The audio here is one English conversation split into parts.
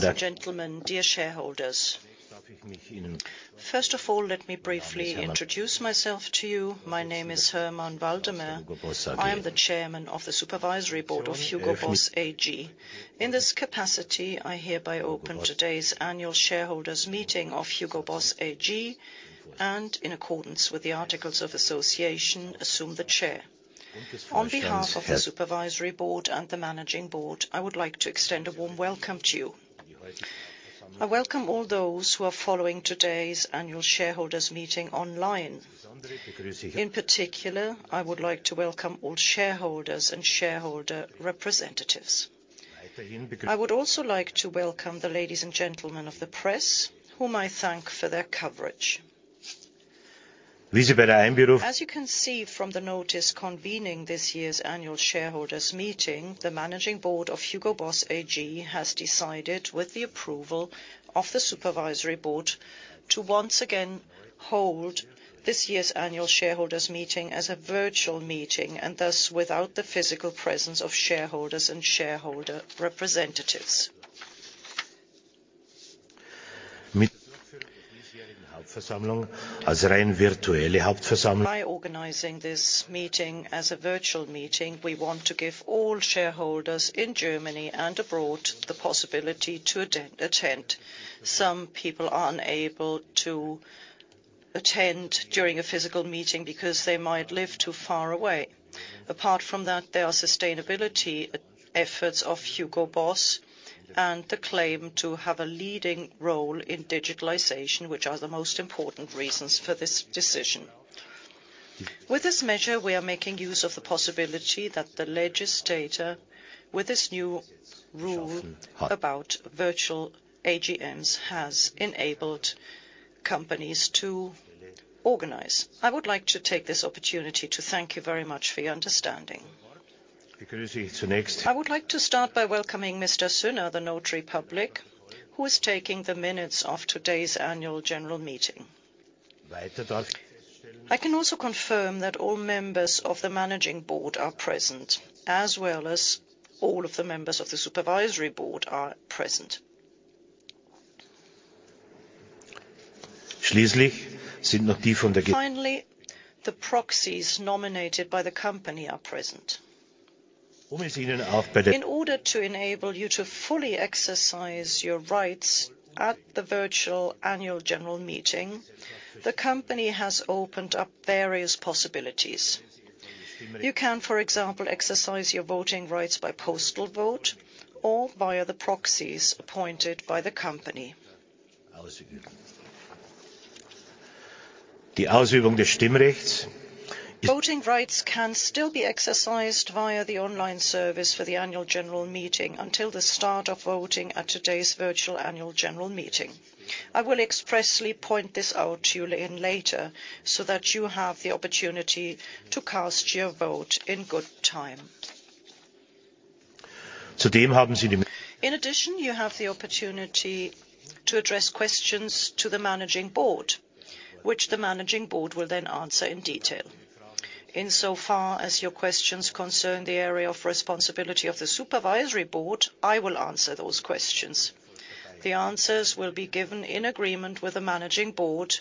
Ladies and gentlemen, dear shareholders. First of all, let me briefly introduce myself to you. My name is Hermann Waldemer. I am the Chairman of the Supervisory Board of HUGO BOSS AG. In this capacity, I hereby open today's Annual Shareholders' Meeting of HUGO BOSS AG and, in accordance with the articles of association, assume the chair. On behalf of the Supervisory Board and the Managing Board, I would like to extend a warm welcome to you. I welcome all those who are following today's Annual Shareholders' Meeting online. In particular, I would like to welcome all shareholders and shareholder representatives. I would also like to welcome the ladies and gentlemen of the press, whom I thank for their coverage. As you can see from the notice convening this year's Annual Shareholders' Meeting, the Managing Board of HUGO BOSS AG has decided, with the approval of the Supervisory Board, to once again hold this year's Annual Shareholders' Meeting as a virtual meeting and thus without the physical presence of shareholders and shareholder representatives. By organizing this meeting as a virtual meeting, we want to give all shareholders in Germany and abroad the possibility to attend. Some people are unable to attend during a physical meeting because they might live too far away. Apart from that, there are sustainability efforts of Hugo Boss and the claim to have a leading role in digitalization, which are the most important reasons for this decision. With this measure, we are making use of the possibility that the legislator with this new rule about virtual AGMs has enabled companies to organize. I would like to take this opportunity to thank you very much for your understanding. I would like to start by welcoming Mr. Sünner, the notary public, who is taking the minutes of today's Annual General Meeting. I can also confirm that all members of the Managing Board are present, as well as all of the members of the Supervisory Board are present. Finally, the proxies nominated by the company are present. In order to enable you to fully exercise your rights at the virtual Annual General Meeting, the company has opened up various possibilities. You can, for example, exercise your voting rights by postal vote or via the proxies appointed by the company. Voting rights can still be exercised via the online service for the Annual General Meeting until the start of voting at today's virtual Annual General Meeting. I will expressly point this out to you later so that you have the opportunity to cast your vote in good time. In addition, you have the opportunity to address questions to the Managing Board, which the Managing Board will then answer insofar as your questions concern the area of responsibility of the Supervisory Board, I will answer those questions. The answers will be given in agreement with the Managing Board.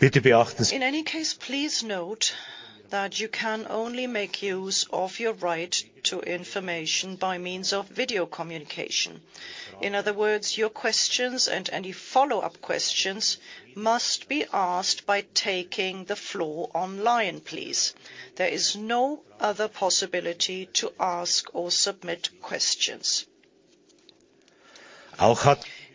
In any case, please note that you can only make use of your right to information by means of video communication. In other words, your questions and any follow-up questions must be asked by taking the floor online, please. There is no other possibility to ask or submit questions.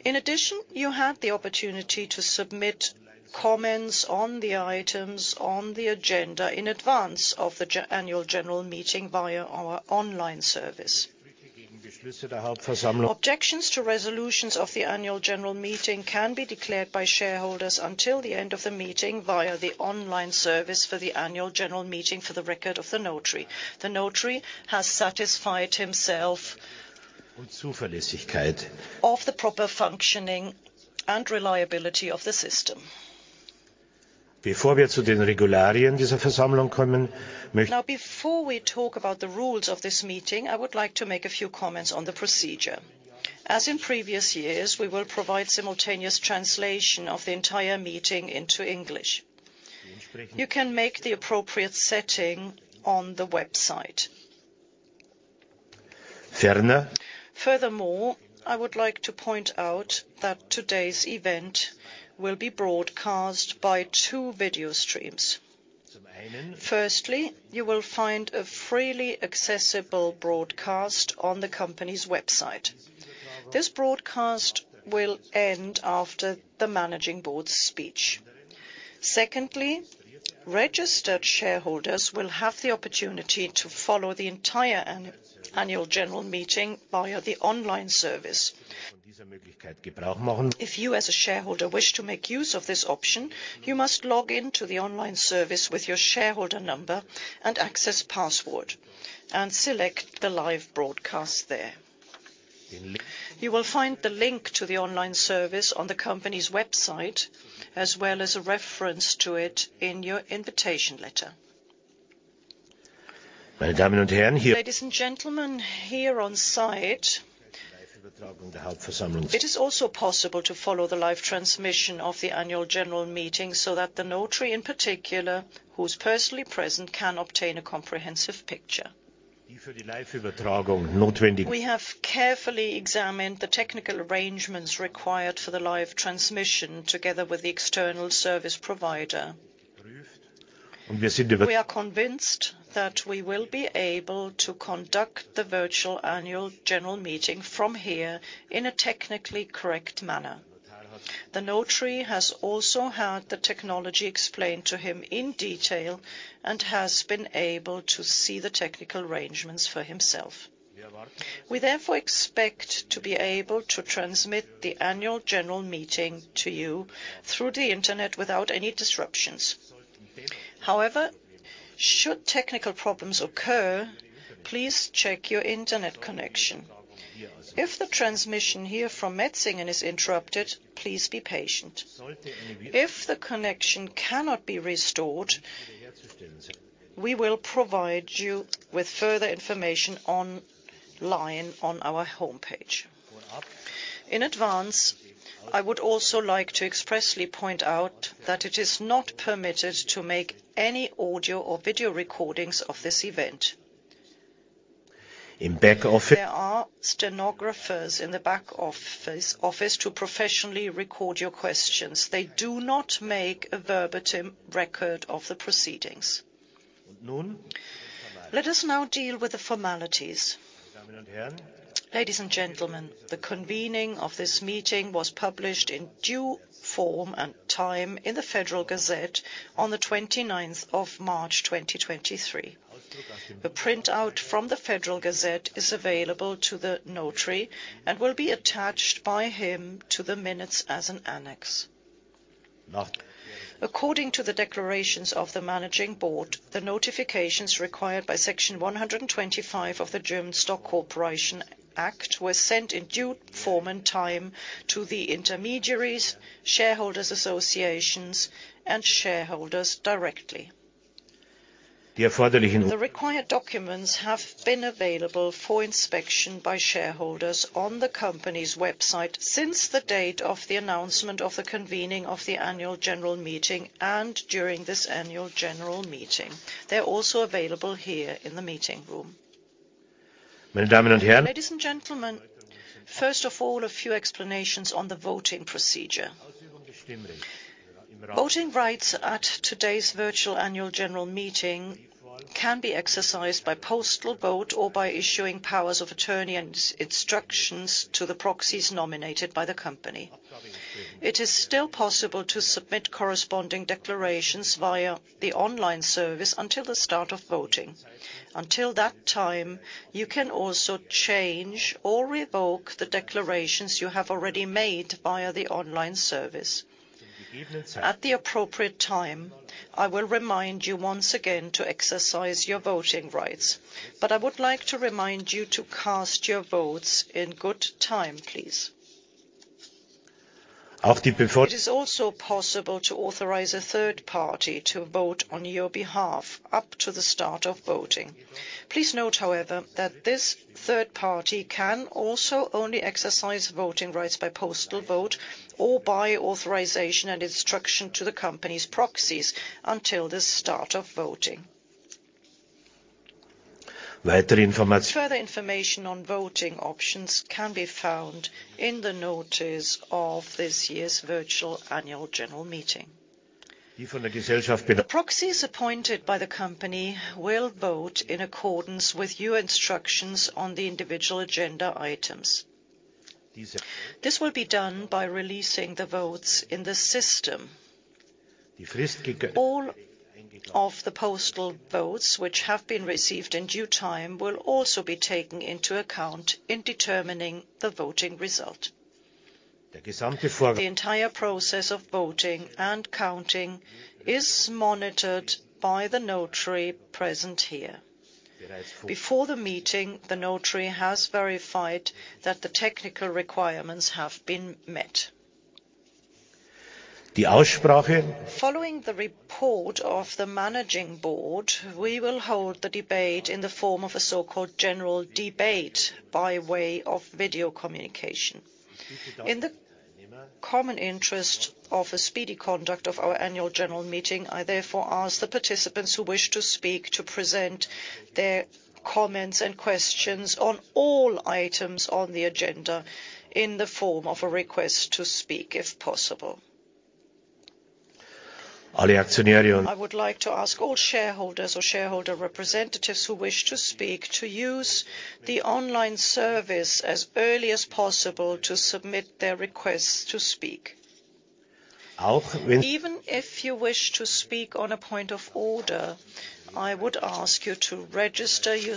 In addition, you have the opportunity to submit comments on the items on the agenda in advance of the Annual General Meeting via our online service. Objections to resolutions of the Annual General Meeting can be declared by shareholders until the end of the meeting via the online service for the Annual General Meeting for the record of the notary. The notary has satisfied himself of the proper functioning and reliability of the system. Before we talk about the rules of this meeting, I would like to make a few comments on the procedure. As in previous years, we will provide simultaneous translation of the entire meeting into English. You can make the appropriate setting on the website. I would like to point out that today's event will be broadcast by two video streams. Firstly, you will find a freely accessible broadcast on the company's website. This broadcast will end after the Managing Board's speech. Secondly, registered shareholders will have the opportunity to follow the entire Annual General Meeting via the online service. If you as a shareholder wish to make use of this option, you must log in to the online service with your shareholder number and access password and select the live broadcast there. You will find the link to the online service on the company's website, as well as a reference to it in your invitation letter. Ladies and gentlemen here on site, it is also possible to follow the live transmission of the Annual General Meeting so that the notary in particular, who's personally present, can obtain a comprehensive picture. We have carefully examined the technical arrangements required for the live transmission together with the external service provider. We are convinced that we will be able to conduct the virtual Annual General Meeting from here in a technically correct manner. The notary has also had the technology explained to him in detail and has been able to see the technical arrangements for himself. We therefore expect to be able to transmit the Annual General Meeting to you through the Internet without any disruptions. Should technical problems occur, please check your Internet connection. If the transmission here from Metzingen is interrupted, please be patient. If the connection cannot be restored, we will provide you with further information online on our homepage. In advance, I would also like to expressly point out that it is not permitted to make any audio or video recordings of this event. There are stenographers in the back office to professionally record your questions. They do not make a verbatim record of the proceedings. Let us now deal with the formalities. Ladies and gentlemen, the convening of this meeting was published in due form and time in the Federal Gazette on the 29th of March, 2023. The printout from the Federal Gazette is available to the notary and will be attached by him to the minutes as an annex. According to the declarations of the Managing Board, the notifications required by Section 125 of the German Stock Corporation Act were sent in due form and time to the intermediaries, shareholders associations, and shareholders directly. The required documents have been available for inspection by shareholders on the company's website since the date of the announcement of the convening of the Annual General Meeting and during this Annual General Meeting. They're also available here in the meeting room. Ladies and gentlemen, first of all, a few explanations on the voting procedure. Voting rights at today's virtual Annual General Meeting can be exercised by postal vote or by issuing powers of attorney and instructions to the proxies nominated by the company. It is still possible to submit corresponding declarations via the online service until the start of voting. Until that time, you can also change or revoke the declarations you have already made via the online service. At the appropriate time, I will remind you once again to exercise your voting rights, but I would like to remind you to cast your votes in good time, please. It is also possible to authorize a third party to vote on your behalf up to the start of voting. Please note, however, that this third party can also only exercise voting rights by postal vote or by authorization and instruction to the company's proxies until the start of voting. Further information on voting options can be found in the notice of this year's virtual Annual General Meeting. The proxies appointed by the company will vote in accordance with your instructions on the individual agenda items. This will be done by releasing the votes in the system. All of the postal votes which have been received in due time will also be taken into account in determining the voting result. The entire process of voting and counting is monitored by the Notary present here. Before the meeting, the Notary has verified that the technical requirements have been met. Following the report of the Managing Board, we will hold the debate in the form of a so-called general debate by way of video communication. In the common interest of a speedy conduct of our Annual General Meeting, I therefore ask the participants who wish to speak to present their comments and questions on all items on the agenda in the form of a request to speak, if possible. I would like to ask all shareholders or shareholder representatives who wish to speak to use the online service as early as possible to submit their requests to speak. Even if you wish to speak on a point of order, I would ask you to register your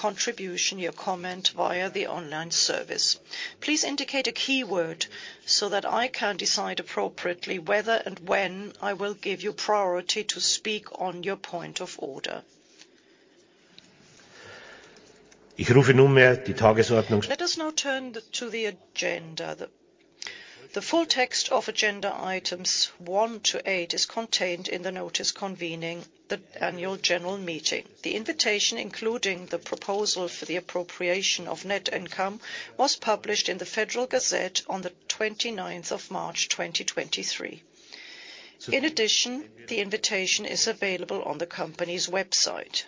contribution, your comment via the online service. Please indicate a keyword so that I can decide appropriately whether and when I will give you priority to speak on your point of order. I call to order the agenda. Let us now turn to the agenda. The full text of agenda items one to eight is contained in the notice convening the Annual General Meeting. The invitation, including the proposal for the appropriation of net income, was published in the Federal Gazette on the 29th of March, 2023. In addition, the invitation is available on the company's website.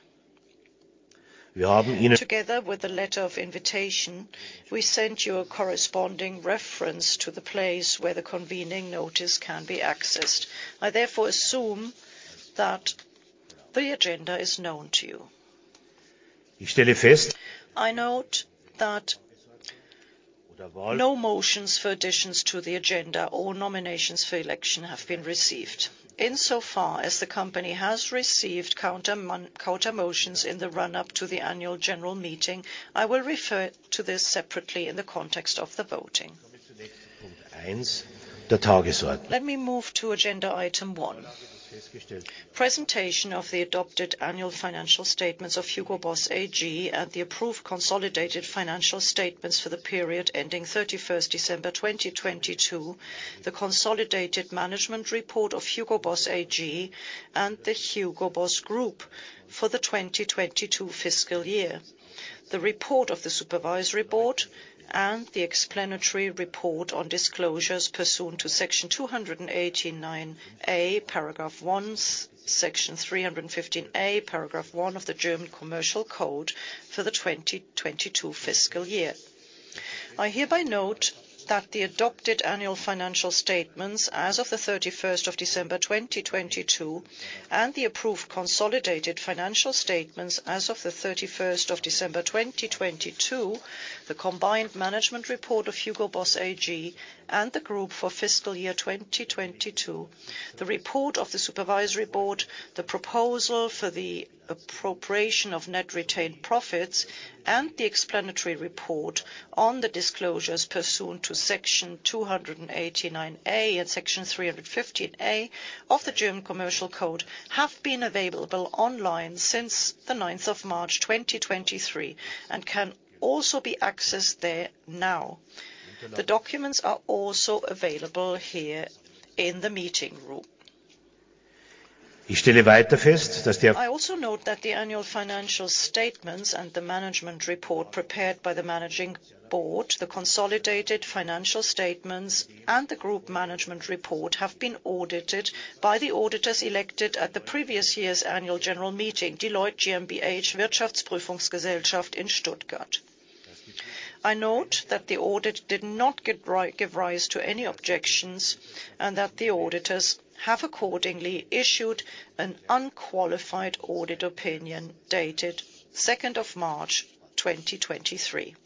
Together with the letter of invitation, we sent you a corresponding reference to the place where the convening notice can be accessed. I therefore assume that the agenda is known to you. I note that no motions for additions to the agenda or nominations for election have been received. Insofar as the company has received counter-motions in the run-up to the Annual General Meeting, I will refer to this separately in the context of the voting. Let me move to agenda item one. Presentation of the adopted annual financial statements of HUGO BOSS AG and the approved consolidated financial statements for the period ending 31st December, 2022, the consolidated management report of HUGO BOSS AG, and the HUGO BOSS Group for the 2022 fiscal year. The report of the Supervisory Board and the explanatory report on disclosures pursuant to Section 289a (1) and Section 315a (1) of the German Commercial Code for the 2022 fiscal year. I hereby note that the adopted annual financial statements as of the 31st of December, 2022, and the approved consolidated financial statements as of the 31st of December, 2022, the combined management report of HUGO BOSS AG and the group for fiscal year 2022, the report of the Supervisory Board, the proposal for the appropriation of net retained profits, and the explanatory report on the disclosures pursuant to Section 289a and Section 315a of the German Commercial Code have been available online since the 9th of March, 2023, and can also be accessed there now. The documents are also available here in the meeting room. I also note that the annual financial statements and the management report prepared by the Managing Board, the consolidated financial statements, and the group management report have been audited by the auditors elected at the previous year's Annual General Meeting, Deloitte GmbH Wirtschaftsprüfungsgesellschaft in Stuttgart. I note that the audit did not give rise to any objections, and that the auditors have accordingly issued an unqualified audit opinion dated 2nd of March, 2023.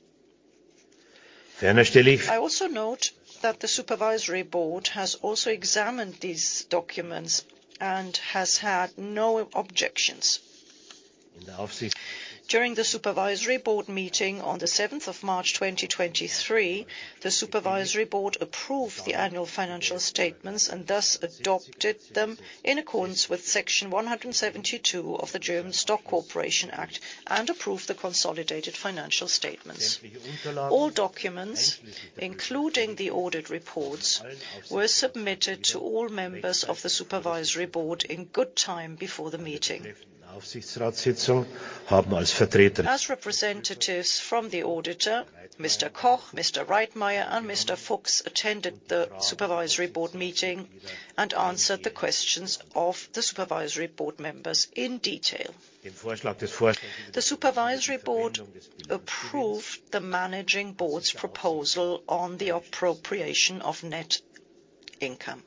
I also note that the Supervisory Board has also examined these documents and has had no objections. During the Supervisory Board meeting on 7th of March, 2023, the Supervisory Board approved the annual financial statements and thus adopted them in accordance with Section 172 of the German Stock Corporation Act, and approved the consolidated financial statements. All documents, including the audit reports, were submitted to all members of the Supervisory Board in good time before the meeting. As representatives from the auditor, Mr. Koch, Mr. Reitmayr, and Mr. Fuchs attended the Supervisory Board meeting and answered the questions of the Supervisory Board members in detail. The Supervisory Board approved the Managing Board's proposal on the appropriation of net income.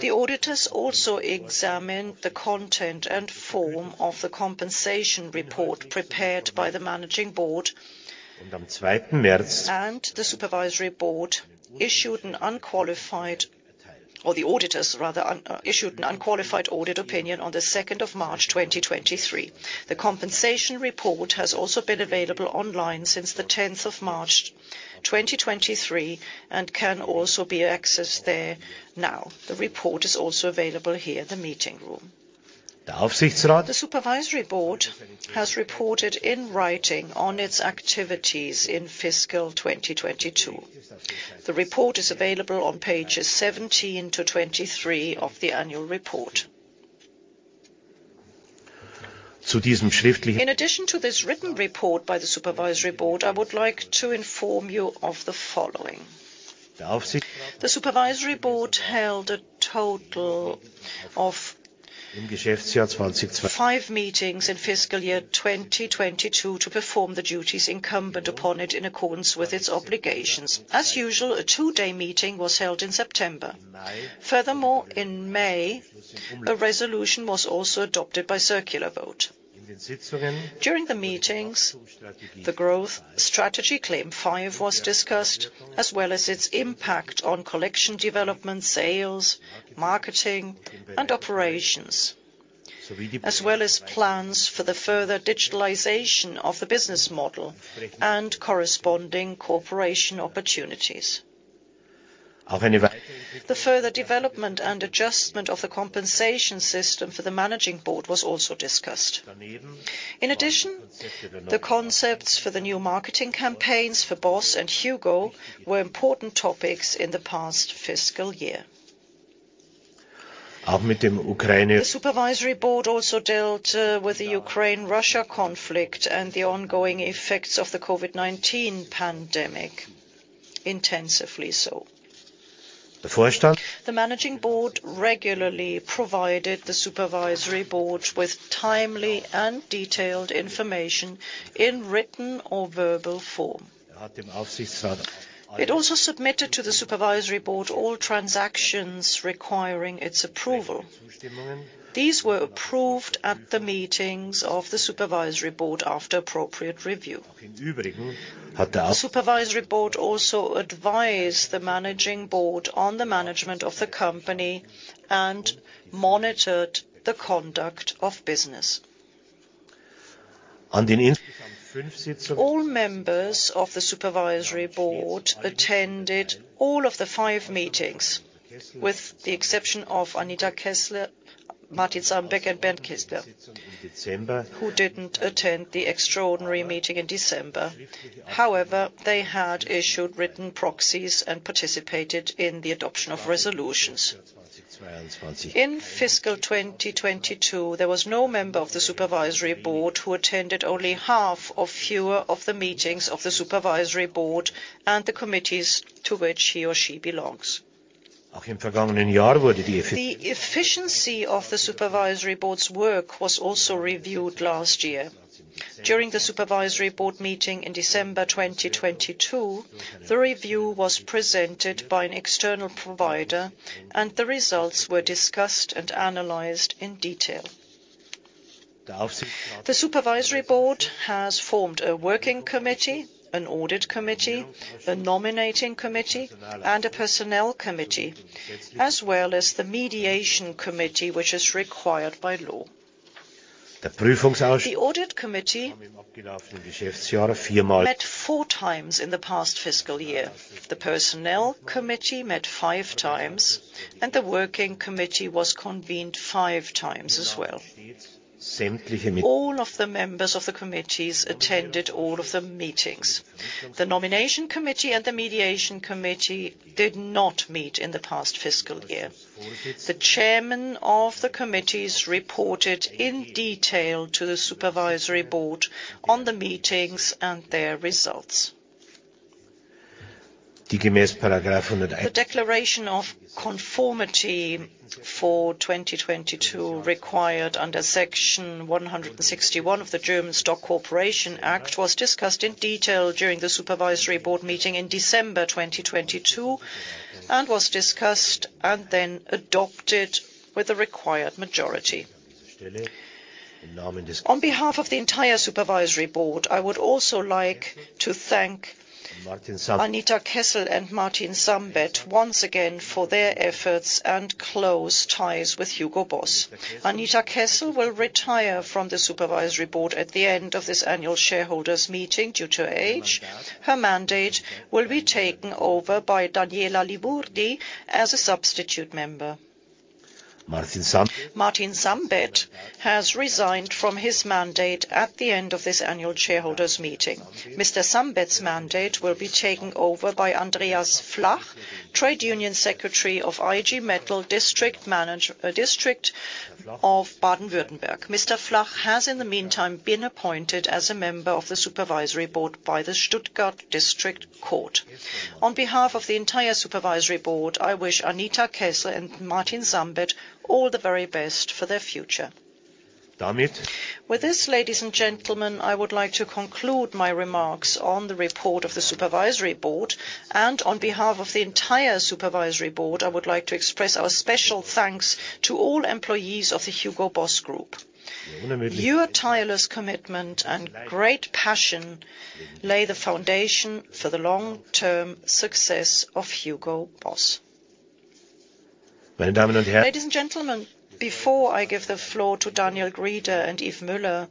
The auditors also examined the content and form of the compensation report prepared by the Managing Board and the Supervisory Board issued an unqualified audit opinion on 2nd of March, 2023. The compensation report has also been available online since 10th of March, 2023, and can also be accessed there now. The report is also available here in the meeting room. The Supervisory Board has reported in writing on its activities in fiscal 2022. The report is available on pages 17 to 23 of the annual report. In addition to this written report by the Supervisory Board, I would like to inform you of the following. The Supervisory Board held a total of five meetings in fiscal year 2022 to perform the duties incumbent upon it in accordance with its obligations. As usual, a two-day meeting was held in September. Furthermore, in May, a resolution was also adopted by circular vote. During the meetings, the growth strategy CLAIM 5 was discussed, as well as its impact on collection development, sales, marketing, and operations, as well as plans for the further digitalization of the business model and corresponding cooperation opportunities. The further development and adjustment of the compensation system for the Managing Board was also discussed. In addition, the concepts for the new marketing campaigns for BOSS and HUGO were important topics in the past fiscal year. The Supervisory Board also dealt with the Ukraine-Russia conflict and the ongoing effects of the COVID-19 pandemic, intensively so. The Managing Board regularly provided the Supervisory Board with timely and detailed information in written or verbal form. It also submitted to the Supervisory Board all transactions requiring its approval. These were approved at the meetings of the Supervisory Board after appropriate review. The Supervisory Board also advised the Managing Board on the management of the company, and monitored the conduct of business. All members of the Supervisory Board attended all of the five meetings, with the exception of Anita Kessel, Martin Sambeth, and Bernd Kistner, who didn't attend the extraordinary meeting in December. They had issued written proxies and participated in the adoption of resolutions. In fiscal 2022, there was no member of the Supervisory Board who attended only half or fewer of the meetings of the Supervisory Board and the committees to which he or she belongs. The efficiency of the Supervisory Board's work was also reviewed last year. During the Supervisory Board meeting in December 2022, the review was presented by an external provider, and the results were discussed and analyzed in detail. The Supervisory Board has formed a working committee, an audit committee, a nominating committee, and a personnel committee, as well as the mediation committee, which is required by law. The audit committee met four times in the past fiscal year. The personnel committee met five times, and the working committee was convened five times as well. All of the members of the committees attended all of the meetings. The nomination committee and the mediation committee did not meet in the past fiscal year. The chairman of the committees reported in detail to the Supervisory Board on the meetings and their results. The declaration of conformity for 2022 required under Section 161 of the German Stock Corporation Act was discussed in detail during the Supervisory Board meeting in December 2022, and was discussed and then adopted with the required majority. On behalf of the entire Supervisory Board, I would also like to thank Anita Kessel and Martin Sambeth once again for their efforts and close ties with HUGO BOSS Anita Kessel will retire from the Supervisory Board at the end of this Annual Shareholders' Meeting due to age. Her mandate will be taken over by Daniela Liburdi as a substitute member. Martin Sambeth has resigned from his mandate at the end of this Annual Shareholders' Meeting. Mr. Sambeth's mandate will be taken over by Andreas Flach, trade union secretary of IG Metall District of Baden-Württemberg. Mr. Flach has, in the meantime, been appointed as a member of the Supervisory Board by the Stuttgart District Court. On behalf of the entire Supervisory Board, I wish Anita Kessel and Martin Sambeth all the very best for their future. With this, ladies and gentlemen, I would like to conclude my remarks on the report of the Supervisory Board. On behalf of the entire Supervisory Board, I would like to express our special thanks to all employees of the HUGO BOSS Group. Your tireless commitment and great passion lay the foundation for the long-term success of HUGO BOSS. Ladies and gentlemen, before I give the floor to Daniel Grieder and Yves Müller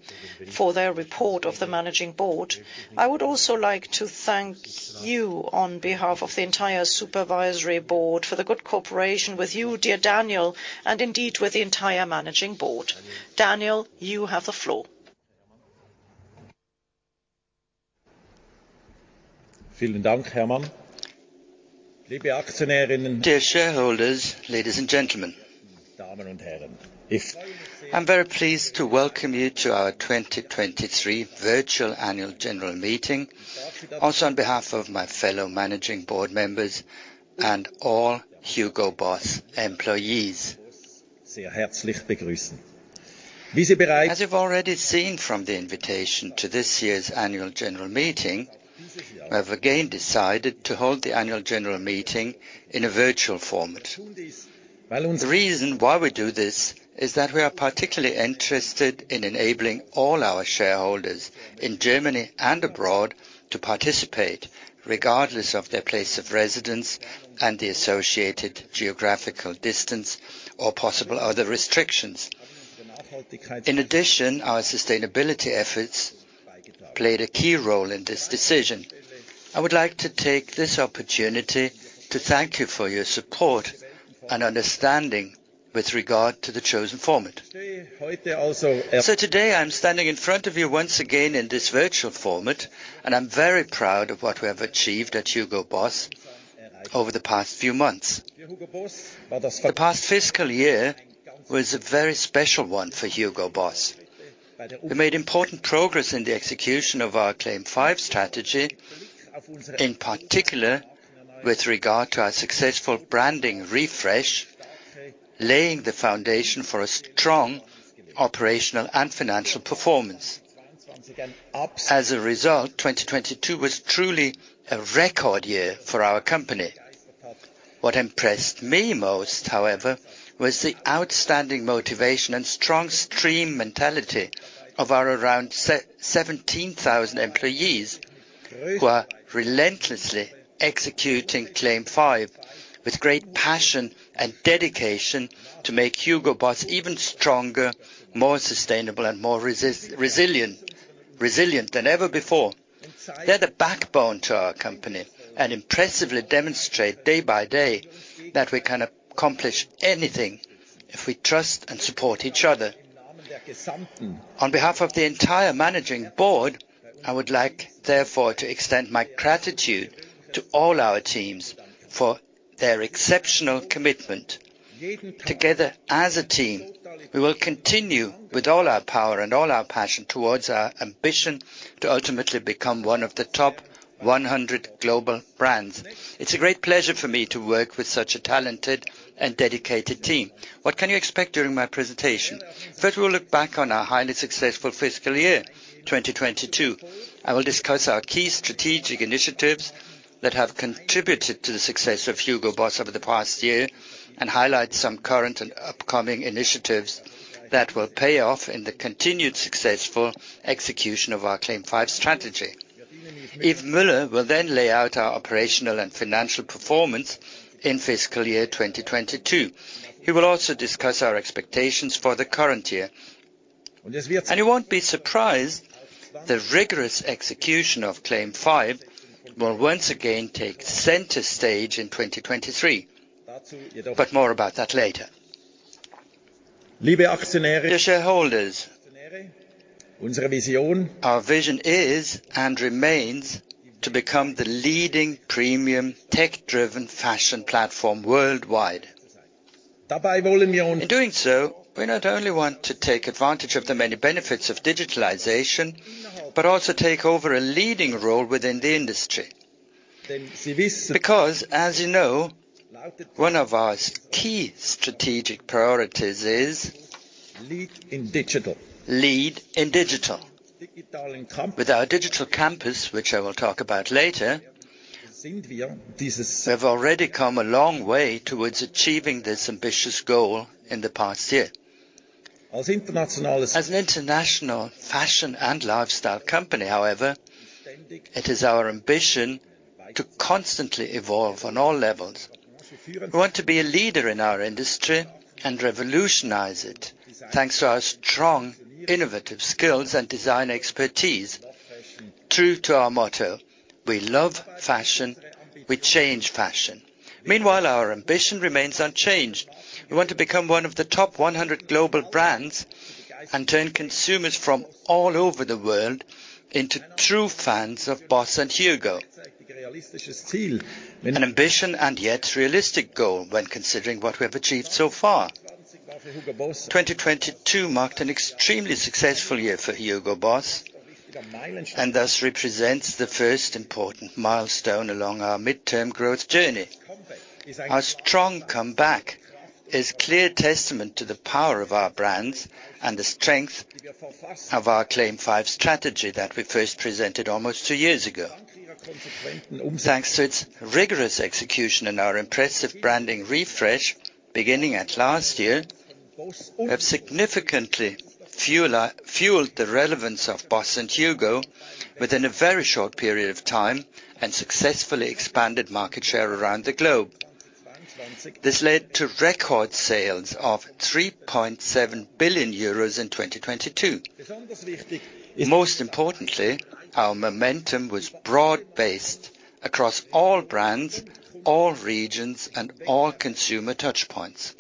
for their report of the Managing Board, I would also like to thank you on behalf of the entire Supervisory Board for the good cooperation with you, dear Daniel, and indeed with the entire Managing Board. Daniel, you have the floor. Dear shareholders, ladies and gentlemen. I'm very pleased to welcome you to our 2023 virtual Annual General Meeting, also on behalf of my fellow Managing Board members and all HUGO BOSS employees. As you've already seen from the invitation to this year's Annual General Meeting, we have again decided to hold the Annual General Meeting in a virtual format. The reason why we do this is that we are particularly interested in enabling all our shareholders in Germany and abroad to participate, regardless of their place of residence and the associated geographical distance or possible other restrictions. In addition, our sustainability efforts played a key role in this decision. I would like to take this opportunity to thank you for your support and understanding with regard to the chosen format. Today I'm standing in front of you once again in this virtual format, and I'm very proud of what we have achieved at HUGO BOSS over the past few months. The past fiscal year was a very special one for HUGO BOSS. We made important progress in the execution of our CLAIM 5 strategy, in particular with regard to our successful branding refresh, laying the foundation for a strong operational and financial performance. 2022 was truly a record year for our company. What impressed me most, however, was the outstanding motivation and strong stream mentality of our around 17,000 employees, who are relentlessly executing CLAIM 5 with great passion and dedication to make HUGO BOSS even stronger, more sustainable, and more resilient than ever before. They're the backbone to our company, and impressively demonstrate day by day that we can accomplish anything if we trust and support each other. On behalf of the entire Managing Board, I would like therefore to extend my gratitude to all our teams for their exceptional commitment. Together as a team, we will continue with all our power and all our passion towards our ambition to ultimately become one of the top 100 global brands. It's a great pleasure for me to work with such a talented and dedicated team. What can you expect during my presentation? First, we will look back on our highly successful fiscal year, 2022. I will discuss our key strategic initiatives that have contributed to the success of Hugo Boss over the past year, and highlight some current and upcoming initiatives that will pay off in the continued successful execution of our CLAIM 5 strategy. Yves Müller will lay out our operational and financial performance in fiscal year 2022. He will also discuss our expectations for the current year. You won't be surprised the rigorous execution of CLAIM 5 will once again take center stage in 2023. More about that later. Dear shareholders, our vision is and remains to become the leading premium tech-driven fashion platform worldwide. In doing so, we not only want to take advantage of the many benefits of digitalization, but also take over a leading role within the industry. As you know, one of our key strategic priorities is Lead in Digital. With our Digital Campus, which I will talk about later, we have already come a long way towards achieving this ambitious goal in the past year. As an international fashion and lifestyle company, however, it is our ambition to constantly evolve on all levels. We want to be a leader in our industry and revolutionize it, thanks to our strong, innovative skills and design expertise. True to our motto: We love fashion, we change fashion. Meanwhile, our ambition remains unchanged. We want to become one of the top 100 global brands and turn consumers from all over the world into true fans of BOSS and HUGO. An ambition and yet realistic goal when considering what we have achieved so far. 2022 marked an extremely successful year for HUGO BOSS, and thus represents the first important milestone along our midterm growth journey. Our strong comeback is clear testament to the power of our brands and the strength of our CLAIM 5 strategy that we first presented almost two years ago. Thanks to its rigorous execution and our impressive branding refresh, beginning at last year, we have significantly fueled the relevance of BOSS and HUGO within a very short period of time and successfully expanded market share around the globe. This led to record sales of 3.7 billion euros in 2022. Most importantly, our momentum was broad-based across all brands, all regions, and all consumer touch points.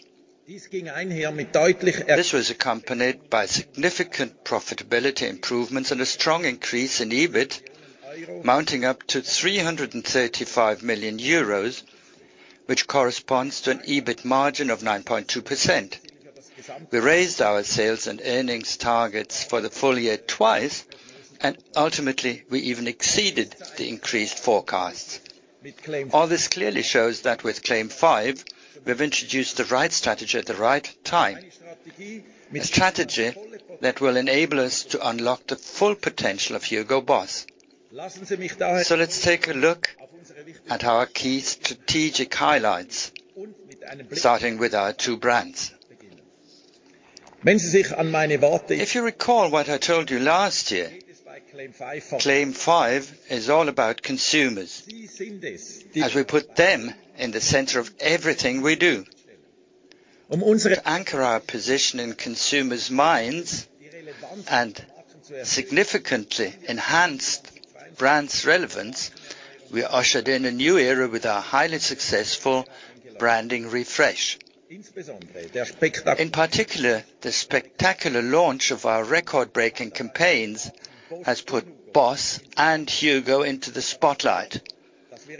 This was accompanied by significant profitability improvements and a strong increase in EBIT, mounting up to 335 million euros, which corresponds to an EBIT margin of 9.2%. We raised our sales and earnings targets for the full year twice, and ultimately we even exceeded the increased forecasts. All this clearly shows that with CLAIM 5, we've introduced the right strategy at the right time. A strategy that will enable us to unlock the full potential of HUGO BOSS. Let's take a look at our key strategic highlights, starting with our two brands. If you recall what I told you last year, CLAIM 5 is all about consumers, as we put them in the center of everything we do. To anchor our position in consumers' minds and significantly enhance brand relevance, we ushered in a new era with our highly successful branding refresh. In particular, the spectacular launch of our record-breaking campaigns has put BOSS and HUGO into the spotlight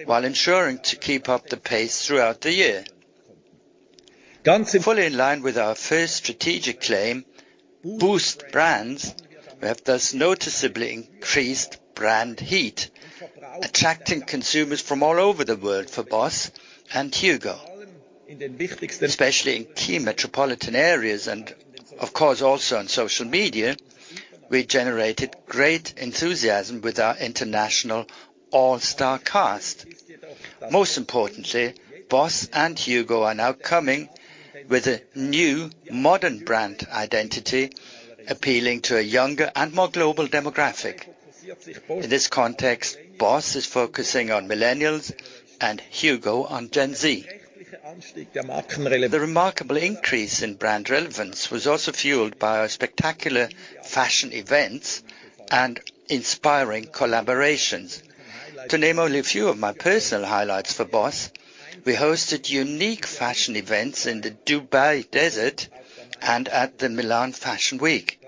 while ensuring to keep up the pace throughout the year. Fully in line with our first strategic claim, Boost Brands, we have thus noticeably increased brand heat, attracting consumers from all over the world for BOSS and HUGO, especially in key metropolitan areas, and of course, also on social media. We generated great enthusiasm with our international all-star cast. Most importantly, BOSS and HUGO are now coming with a new modern brand identity, appealing to a younger and more global demographic. In this context, BOSS is focusing on Millennials and HUGO on Gen Z. The remarkable increase in brand relevance was also fueled by our spectacular fashion events and inspiring collaborations. To name only a few of my personal highlights for BOSS, we hosted unique fashion events in the Dubai desert and at the Milan Fashion Week.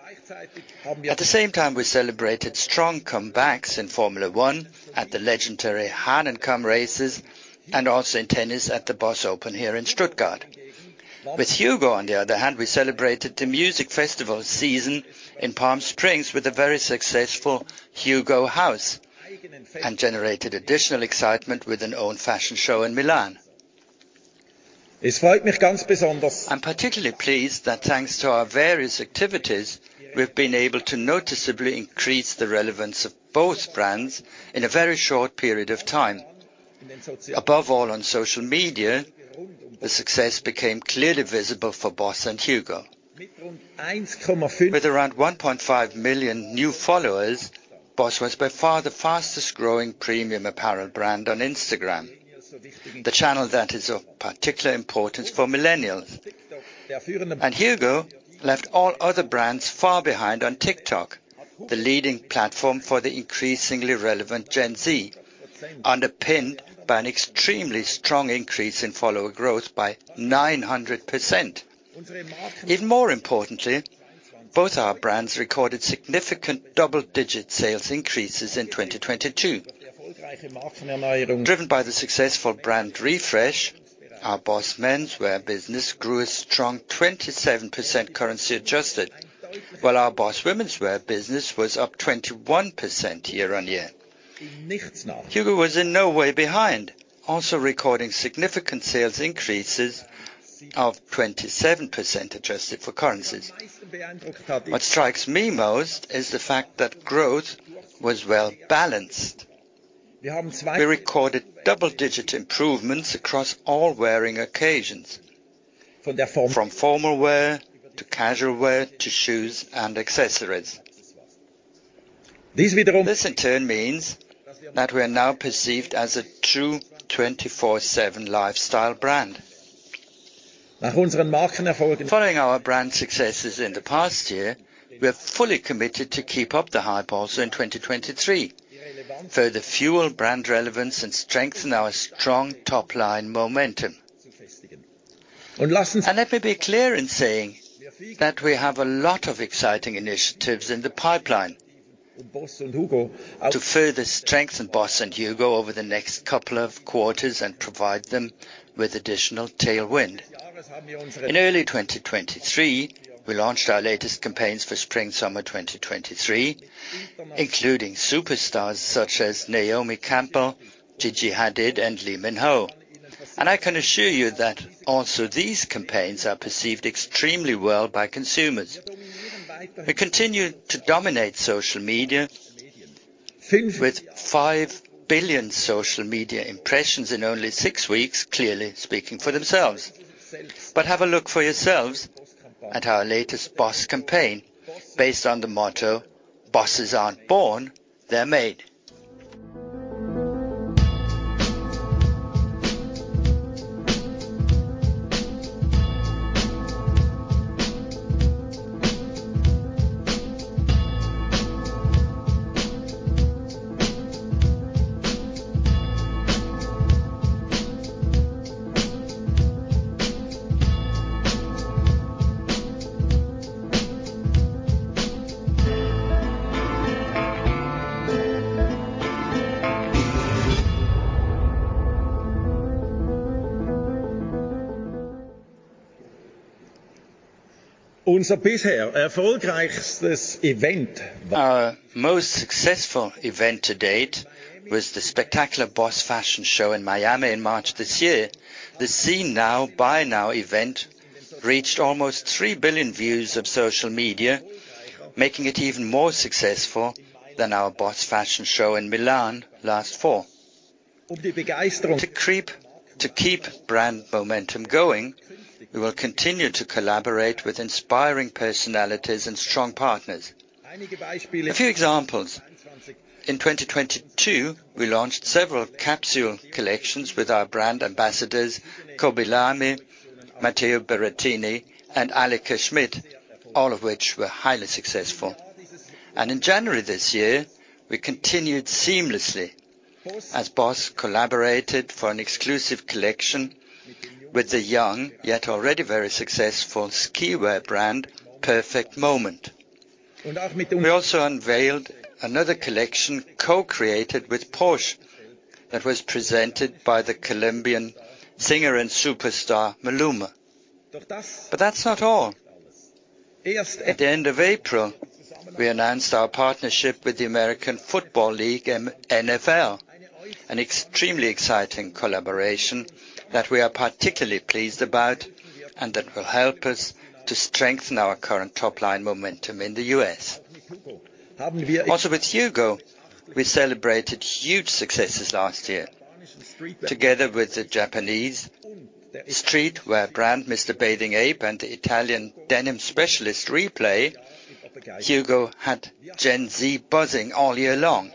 At the same time, we celebrated strong comebacks in Formula 1 at the legendary Hahnenkamm Races, and also in tennis at the BOSS OPEN here in Stuttgart. With HUGO, on the other hand, we celebrated the music festival season in Palm Springs with a very successful HUGO House, and generated additional excitement with an own fashion show in Milan. I'm particularly pleased that thanks to our various activities, we've been able to noticeably increase the relevance of both brands in a very short period of time. Above all, on social media, the success became clearly visible for BOSS and HUGO. With around 1.5 million new followers, BOSS was by far the fastest-growing premium apparel brand on Instagram, the channel that is of particular importance for Millennials. HUGO left all other brands far behind on TikTok, the leading platform for the increasingly relevant Gen Z, underpinned by an extremely strong increase in follower growth by 900%. Even more importantly, both our brands recorded significant double-digit sales increases in 2022. Driven by the successful brand refresh, our BOSS menswear business grew a strong 27% currency-adjusted, while our BOSS womenswear business was up 21% year-on-year. HUGO was in no way behind, also recording significant sales increases of 27% adjusted for currencies. What strikes me most is the fact that growth was well-balanced. We recorded double-digit improvements across all wearing occasions, from formal wear to casual wear to shoes and accessories. This in turn means that we are now perceived as a true 24/7 lifestyle brand. Following our brand successes in the past year, we are fully committed to keep up the hype also in 2023, further fuel brand relevance, and strengthen our strong top-line momentum. Let me be clear in saying that we have a lot of exciting initiatives in the pipeline to further strengthen BOSS and HUGO over the next couple of quarters and provide them with additional tailwind. In early 2023, we launched our latest campaigns for spring/summer 2023, including superstars such as Naomi Campbell, Gigi Hadid, and Lee Min-ho. I can assure you that also these campaigns are perceived extremely well by consumers, who continue to dominate social media with 5 billion social media impressions in only six weeks, clearly speaking for themselves. Have a look for yourselves at our latest BOSS campaign based on the motto, "Bosses aren't born, they're made." Our most successful event to date was the spectacular BOSS fashion show in Miami in March this year. The "see now, buy now" event reached almost 3 billion views of social media, making it even more successful than our BOSS fashion show in Milan last fall. To keep brand momentum going, we will continue to collaborate with inspiring personalities and strong partners. A few examples. In 2022, we launched several capsule collections with our brand ambassadors Khaby Lame, Matteo Berrettini, and Alica Schmidt, all of which were highly successful. In January this year, we continued seamlessly as BOSS collaborated for an exclusive collection with the young, yet already very successful skiwear brand, Perfect Moment. We also unveiled another collection co-created with Porsche that was presented by the Colombian singer and superstar, Maluma. That's not all. At the end of April, we announced our partnership with the American Football League (AFL) and the NFL, an extremely exciting collaboration that we are particularly pleased about and that will help us to strengthen our current top-line momentum in the U.S. With HUGO, we celebrated huge successes last year. Together with the Japanese streetwear brand, MR. BATHING APE, and the Italian denim specialist Replay, HUGO had Gen Z buzzing all year long.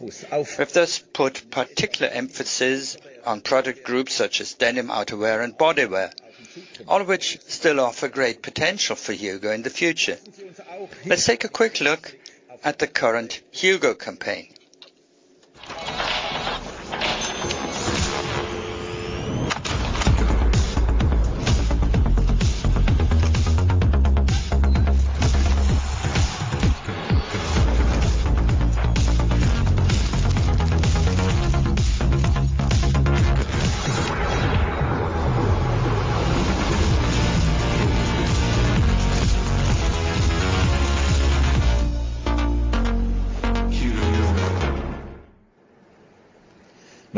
We have thus put particular emphasis on product groups such as denim outerwear and bodywear, all of which still offer great potential for Hugo in the future. Let's take a quick look at the current Hugo campaign.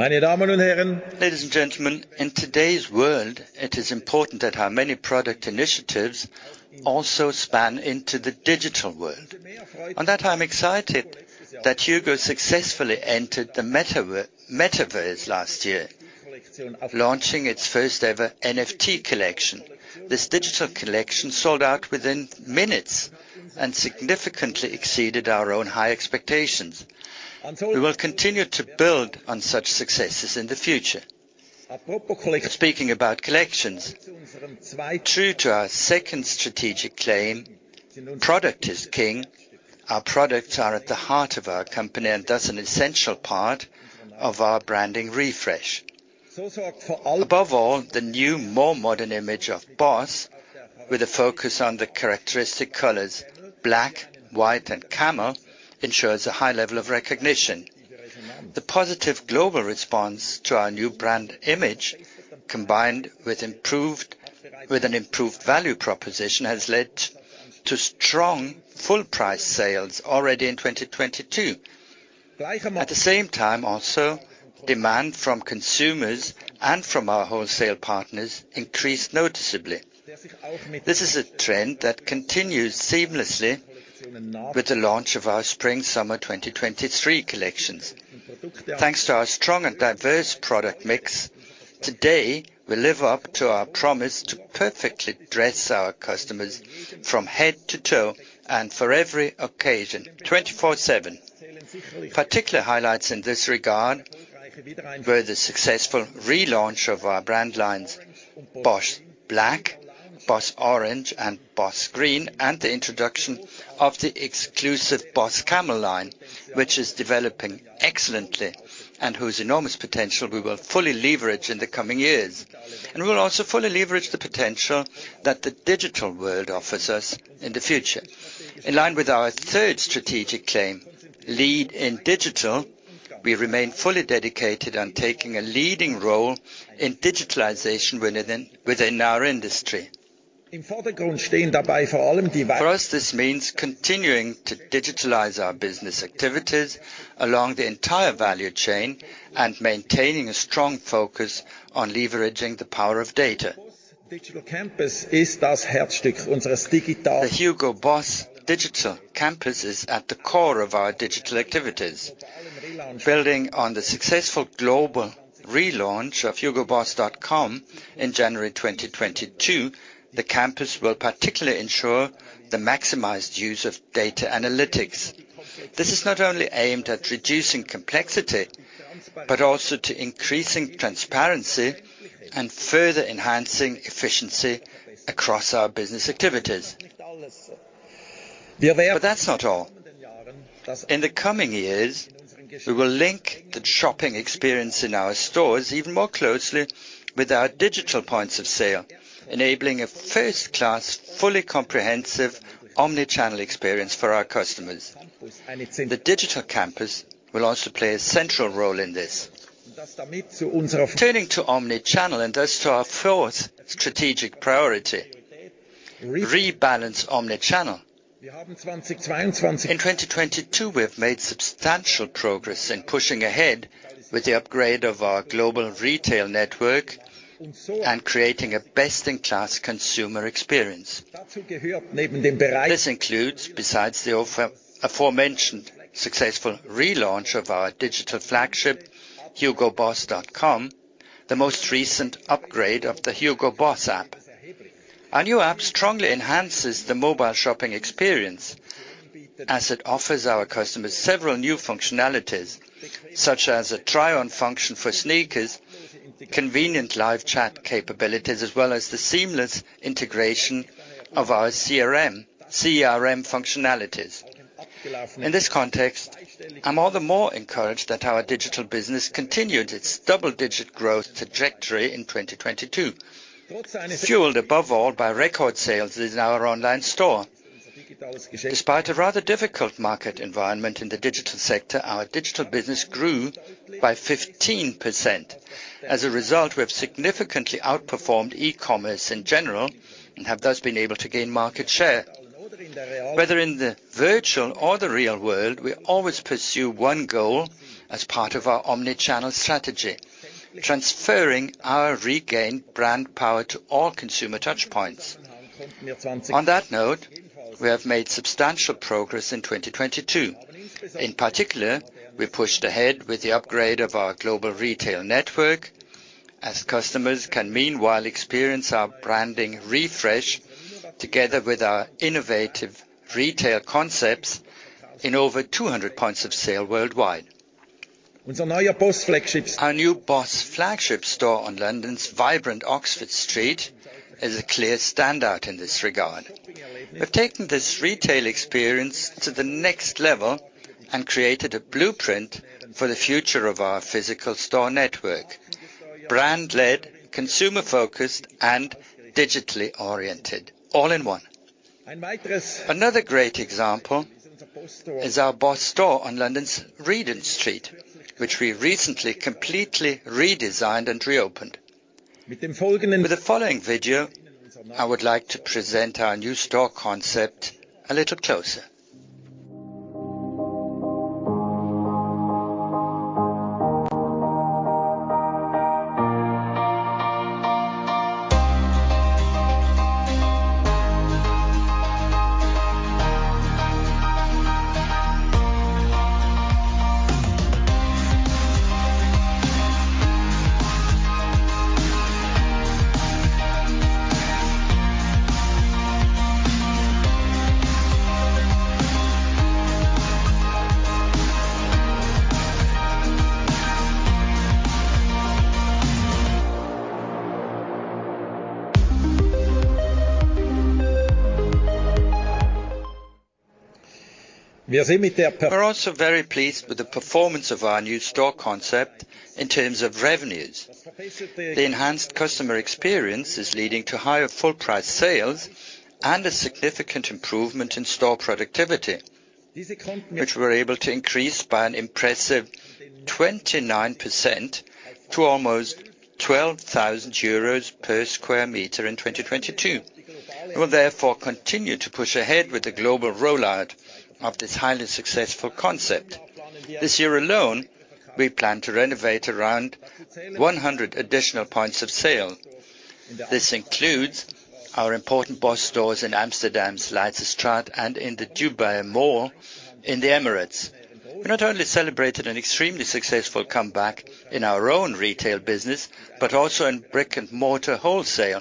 Ladies and gentlemen, in today's world it is important that our many product initiatives also span into the digital world. On that, I am excited that HUGO successfully entered the metaverse last year, launching its first-ever NFT collection. This digital collection sold out within minutes and significantly exceeded our own high expectations. We will continue to build on such successes in the future. Speaking about collections, true to our second strategic claim, "Product is King", our products are at the heart of our company and thus an essential part of our branding refresh. Above all, the new more modern image of BOSS, with a focus on the characteristic colors black, white, and camel ensures a high level of recognition. The positive global response to our new brand image, combined with an improved value proposition, has led to strong full-price sales already in 2022. At the same time also, demand from consumers and from our wholesale partners increased noticeably. This is a trend that continues seamlessly with the launch of our Spring/Summer 2023 collections. Thanks to our strong and diverse product mix, today we live up to our promise to perfectly dress our customers from head to toe and for every occasion, 24/7. Particular highlights in this regard were the successful relaunch of our brand lines BOSS Black, BOSS Orange, and BOSS Green, and the introduction of the exclusive BOSS Camel line, which is developing excellently and whose enormous potential we will fully leverage in the coming years. We will also fully leverage the potential that the digital world offers us in the future. In line with our third strategic claim, "Lead in Digital", we remain fully dedicated on taking a leading role in digitalization within our industry. For us, this means continuing to digitalize our business activities along the entire value chain and maintaining a strong focus on leveraging the power of data. The HUGO BOSS Digital Campus is at the core of our digital activities. Building on the successful global relaunch of hugoboss.com in January 2022, the Digital Campus will particularly ensure the maximized use of data analytics. This is not only aimed at reducing complexity, but also to increasing transparency and further enhancing efficiency across our business activities. That's not all. In the coming years, we will link the shopping experience in our stores even more closely with our digital points of sale, enabling a first-class, fully comprehensive omni-channel experience for our customers. The Digital Campus will also play a central role in this. Turning to omni-channel and thus to our fourth strategic priority, Rebalance Omnichannel. In 2022, we have made substantial progress in pushing ahead with the upgrade of our global retail network and creating a best-in-class consumer experience. This includes, besides the aforementioned successful relaunch of our digital flagship, hugoboss.com. The most recent upgrade of the HUGO BOSS app. Our new app strongly enhances the mobile shopping experience, as it offers our customers several new functionalities, such as a try on function for sneakers, convenient live chat capabilities, as well as the seamless integration of our CRM functionalities. In this context, I'm all the more encouraged that our digital business continued its double-digit growth trajectory in 2022, fueled above all by record sales in our online store. Despite a rather difficult market environment in the digital sector, our digital business grew by 15%. As a result, we have significantly outperformed e-commerce in general and have thus been able to gain market share. Whether in the virtual or the real world, we always pursue one goal as part of our omnichannel strategy, transferring our regained brand power to all consumer touch points. On that note, we have made substantial progress in 2022. In particular, we pushed ahead with the upgrade of our global retail network as customers can meanwhile experience our branding refresh together with our innovative retail concepts in over 200 points of sale worldwide. Our new BOSS flagship store on London's vibrant Oxford Street is a clear standout in this regard. We've taken this retail experience to the next level and created a blueprint for the future of our physical store network. Brand-led, consumer-focused, and digitally oriented all in one. Another great example is our BOSS store on London's Regent Street, which we recently completely redesigned and reopened. With the following video, I would like to present our new store concept a little closer. We are also very pleased with the performance of our new store concept in terms of revenues. The enhanced customer experience is leading to higher full price sales and a significant improvement in store productivity, which we're able to increase by an impressive 29% to almost 12,000 euros per square meter in 2022. We will therefore continue to push ahead with the global rollout of this highly successful concept. This year alone, we plan to renovate around 100 additional points of sale. This includes our important BOSS stores in Amsterdam's Leidsestraat and in the Dubai Mall in the Emirates. We not only celebrated an extremely successful comeback in our own retail business, but also in brick-and-mortar wholesale,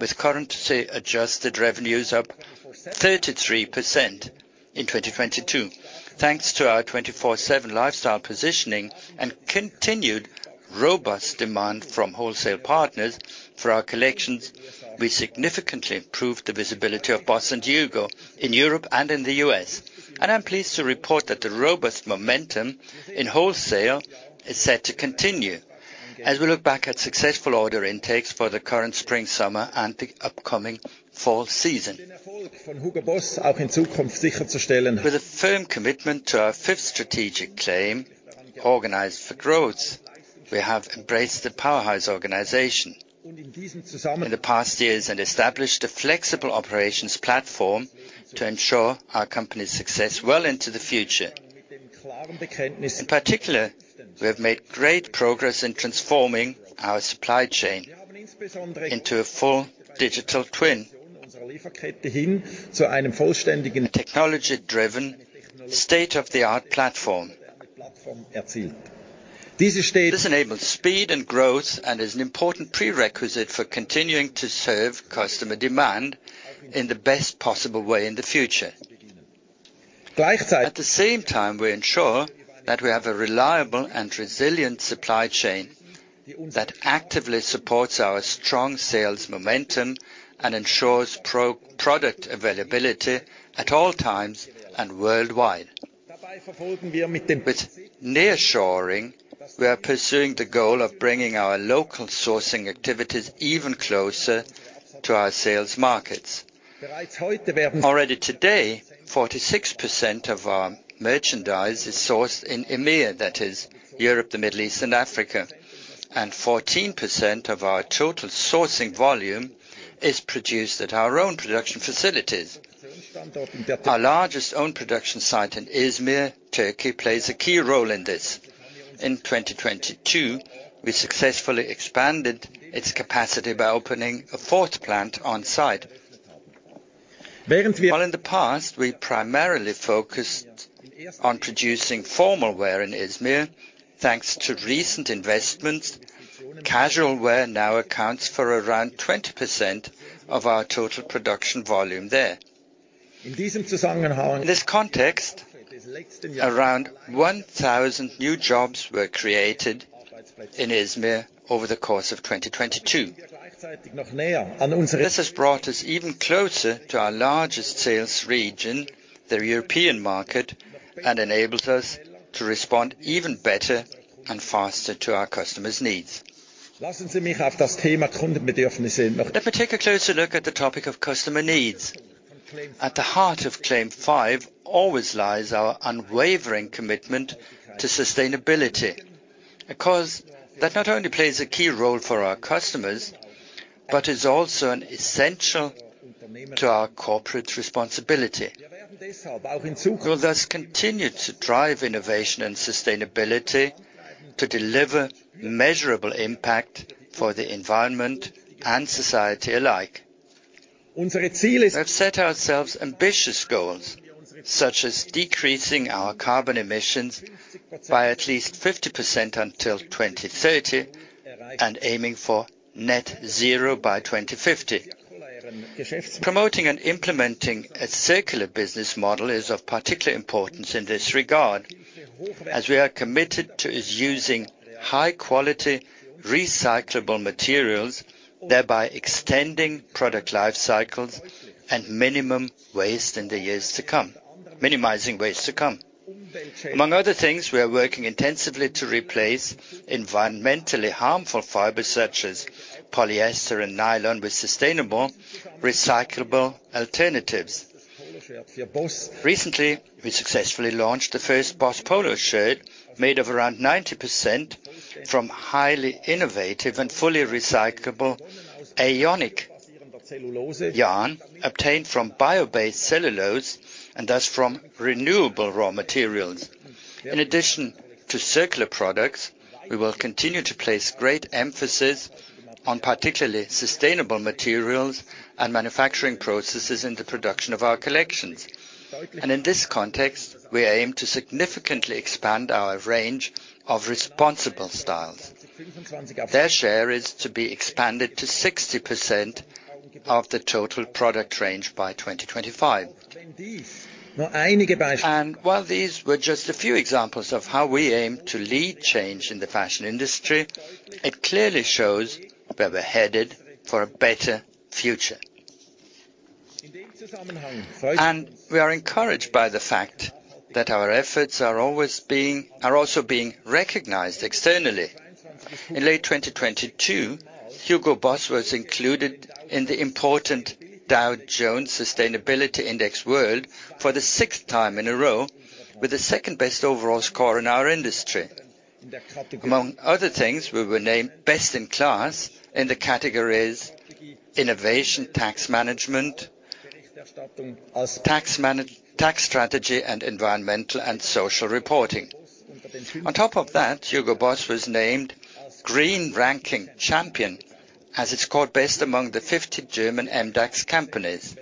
with currency-adjusted revenues up 33% in 2022. Thanks to our 24/7 lifestyle positioning and continued robust demand from wholesale partners for our collections, we significantly improved the visibility of BOSS and HUGO in Europe and in the U.S. I'm pleased to report that the robust momentum in wholesale is set to continue as we look back at successful order intakes for the current Spring/Summer and the upcoming Fall season. With a firm commitment to our fifth strategic claim, Organize for Growth, we have embraced the powerhouse organization in the past years and established a flexible operations platform to ensure our company's success well into the future. In particular, we have made great progress in transforming our supply chain into a full Digital twin. A technology-driven, state-of-the-art platform. This enables speed and growth and is an important prerequisite for continuing to serve customer demand in the best possible way in the future. At the same time, we ensure that we have a reliable and resilient supply chain that actively supports our strong sales momentum and ensures product availability at all times and worldwide. With nearshoring, we are pursuing the goal of bringing our local sourcing activities even closer to our sales markets. Already today, 46% of our merchandise is sourced in EMEA, that is Europe, the Middle East, and Africa, and 14% of our total sourcing volume is produced at our own production facilities. Our largest own production site in Izmir, Turkey, plays a key role in this. In 2022, we successfully expanded its capacity by opening a fourth plant on-site. While in the past, we primarily focused on producing formalwear in Izmir, thanks to recent investments, casual wear now accounts for around 20% of our total production volume there. In this context, around 1,000 new jobs were created in Izmir over the course of 2022. This has brought us even closer to our largest sales region, the European market, and enables us to respond even better and faster to our customers' needs. Let me take a closer look at the topic of customer needs. At the heart of CLAIM 5 always lies our unwavering commitment to sustainability. A cause that not only plays a key role for our customers, but is also an essential to our corporate responsibility. We will thus continue to drive innovation and sustainability to deliver measurable impact for the environment and society alike. We have set ourselves ambitious goals, such as decreasing our carbon emissions by at least 50% until 2030, and aiming for net 0 by 2050. Promoting and implementing a circular business model is of particular importance in this regard, as we are committed to is using high-quality recyclable materials, thereby extending product life cycles and minimizing waste to come. Among other things, we are working intensively to replace environmentally harmful fibers such as polyester and nylon with sustainable recyclable alternatives. Recently, we successfully launched the first BOSS polo shirt made of around 90% from highly innovative and fully recyclable HeiQ AeoniQ yarn obtained from bio-based cellulose, and thus from renewable raw materials. In addition to circular products, we will continue to place great emphasis on particularly sustainable materials and manufacturing processes in the production of our collections. In this context, we aim to significantly expand our range of responsible styles. Their share is to be expanded to 60% of the total product range by 2025. While these were just a few examples of how we aim to lead change in the fashion industry, it clearly shows where we're headed for a better future. We are encouraged by the fact that our efforts are also being recognized externally. In late 2022, HUGO BOSS was included in the important Dow Jones Sustainability World Index for the sixth time in a row, with the second-best overall score in our industry. Among other things, we were named best in class in the categories innovation, tax management, tax strategy, and environmental and social reporting. On top of that, HUGO BOSS was named green ranking champion, as it scored based among the 50 German MDAX companies.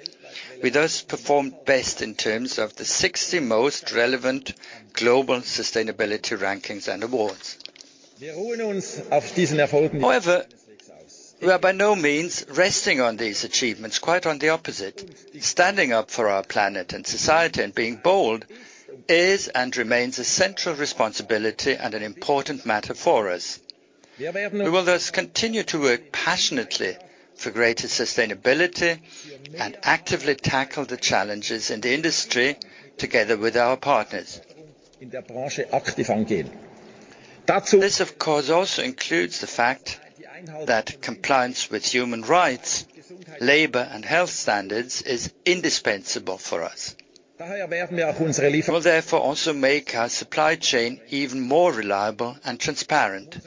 We thus performed best in terms of the 60 most relevant global sustainability rankings and awards. However, we are by no means resting on these achievements, quite on the opposite. Standing up for our planet and society and being bold is and remains a central responsibility and an important matter for us. We will thus continue to work passionately for greater sustainability and actively tackle the challenges in the industry together with our partners. This, of course, also includes the fact that compliance with human rights, labor, and health standards is indispensable for us. We will therefore also make our supply chain even more reliable and transparent.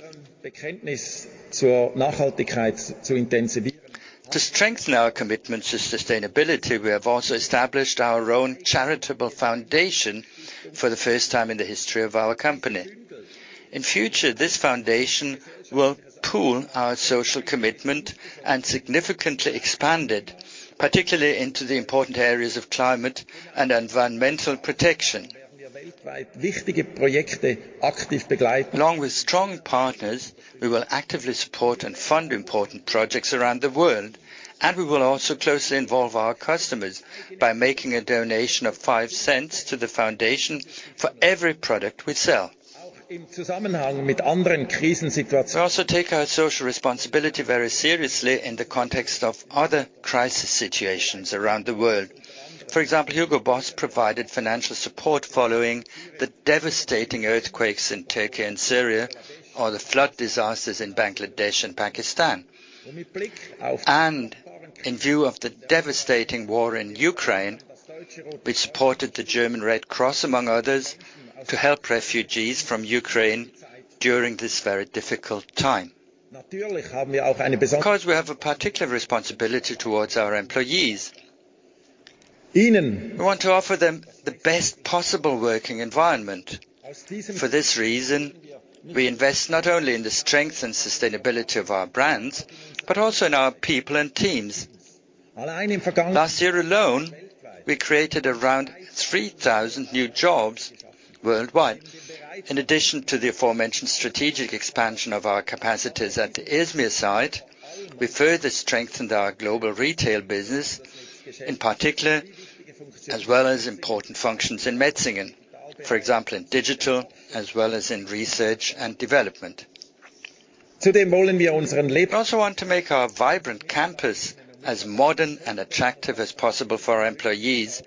To strengthen our commitment to sustainability, we have also established our own charitable foundation for the first time in the history of our company. In future, this foundation will pool our social commitment and significantly expand it, particularly into the important areas of climate and environmental protection. Along with strong partners, we will actively support and fund important projects around the world, and we will also closely involve our customers by making a donation of 0.05 to the foundation for every product we sell. We also take our social responsibility very seriously in the context of other crisis situations around the world. For example, HUGO BOSS provided financial support following the devastating earthquakes in Turkey and Syria, or the flood disasters in Bangladesh and Pakistan. In view of the devastating war in Ukraine, we supported the German Red Cross, among others, to help refugees from Ukraine during this very difficult time. Of course, we have a particular responsibility towards our employees. We want to offer them the best possible working environment. For this reason, we invest not only in the strength and sustainability of our brands, but also in our people and teams. Last year alone, we created around 3,000 new jobs worldwide. In addition to the aforementioned strategic expansion of our capacities at the Izmir site, we further strengthened our global retail business, in particular, as well as important functions in Metzingen. For example, in digital as well as in research and development. We also want to make our vibrant campus as modern and attractive as possible for our employees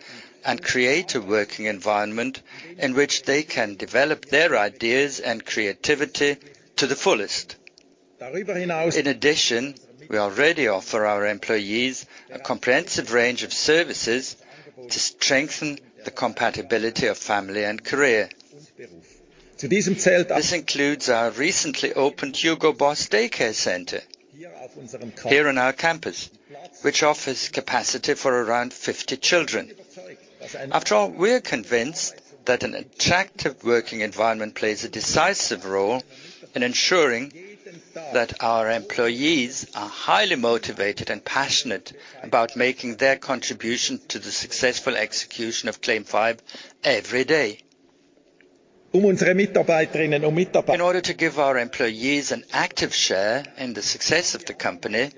and create a working environment in which they can develop their ideas and creativity to the fullest. In addition, we already offer our employees a comprehensive range of services to strengthen the compatibility of family and career. This includes our recently opened HUGO BOSS Daycare Center here on our campus, which offers capacity for around 50 children. After all, we're convinced that an attractive working environment plays a decisive role in ensuring that our employees are highly motivated and passionate about making their contribution to the successful execution of CLAIM 5 every day. In order to give our employees an active share in the success of the company,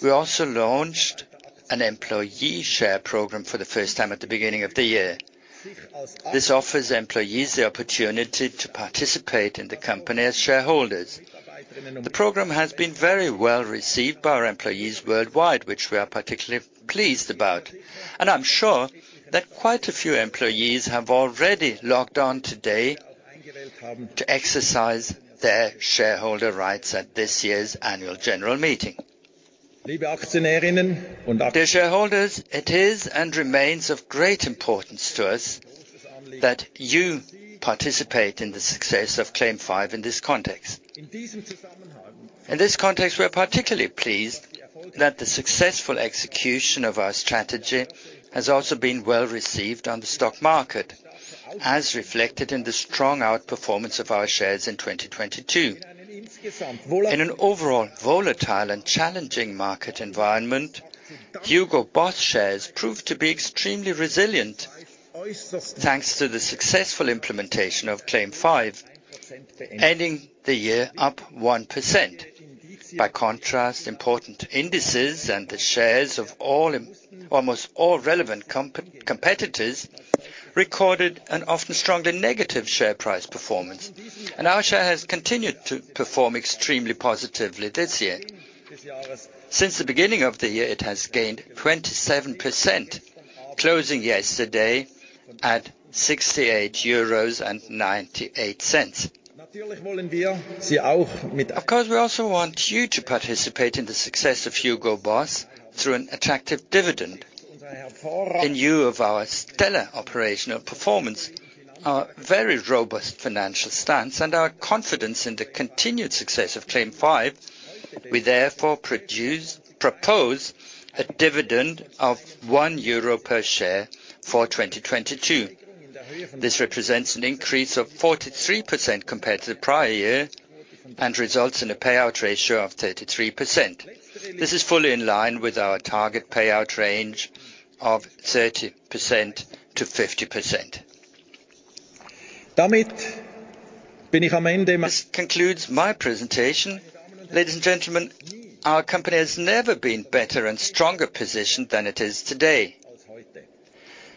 we also launched an employee share program for the first time at the beginning of the year. This offers employees the opportunity to participate in the company as shareholders. The program has been very well received by our employees worldwide, which we are particularly pleased about. I'm sure that quite a few employees have already logged on today to exercise their shareholder rights at this year's Annual General Meeting. Dear shareholders, it is and remains of great importance to us that you participate in the success of CLAIM 5 in this context. In this context, we're particularly pleased that the successful execution of our strategy has also been well received on the stock market, as reflected in the strong outperformance of our shares in 2022. In an overall volatile and challenging market environment, HUGO BOSS shares proved to be extremely resilient, thanks to the successful implementation of CLAIM 5, ending the year up 1%. By contrast, important indices and the shares of all, almost all relevant competitors recorded an often strongly negative share price performance. Our share has continued to perform extremely positively this year. Since the beginning of the year, it has gained 27%, closing yesterday at 68.98 euros. Of course, we also want you to participate in the success of HUGO BOSS through an attractive dividend. In lieu of our stellar operational performance, our very robust financial stance, and our confidence in the continued success of CLAIM 5, we therefore propose a dividend of 1 euro per share for 2022. This represents an increase of 43% compared to the prior year, and results in a payout ratio of 33%. This is fully in line with our target payout range of 30%-50%. This concludes my presentation. Ladies and gentlemen, our company has never been better and stronger positioned than it is today.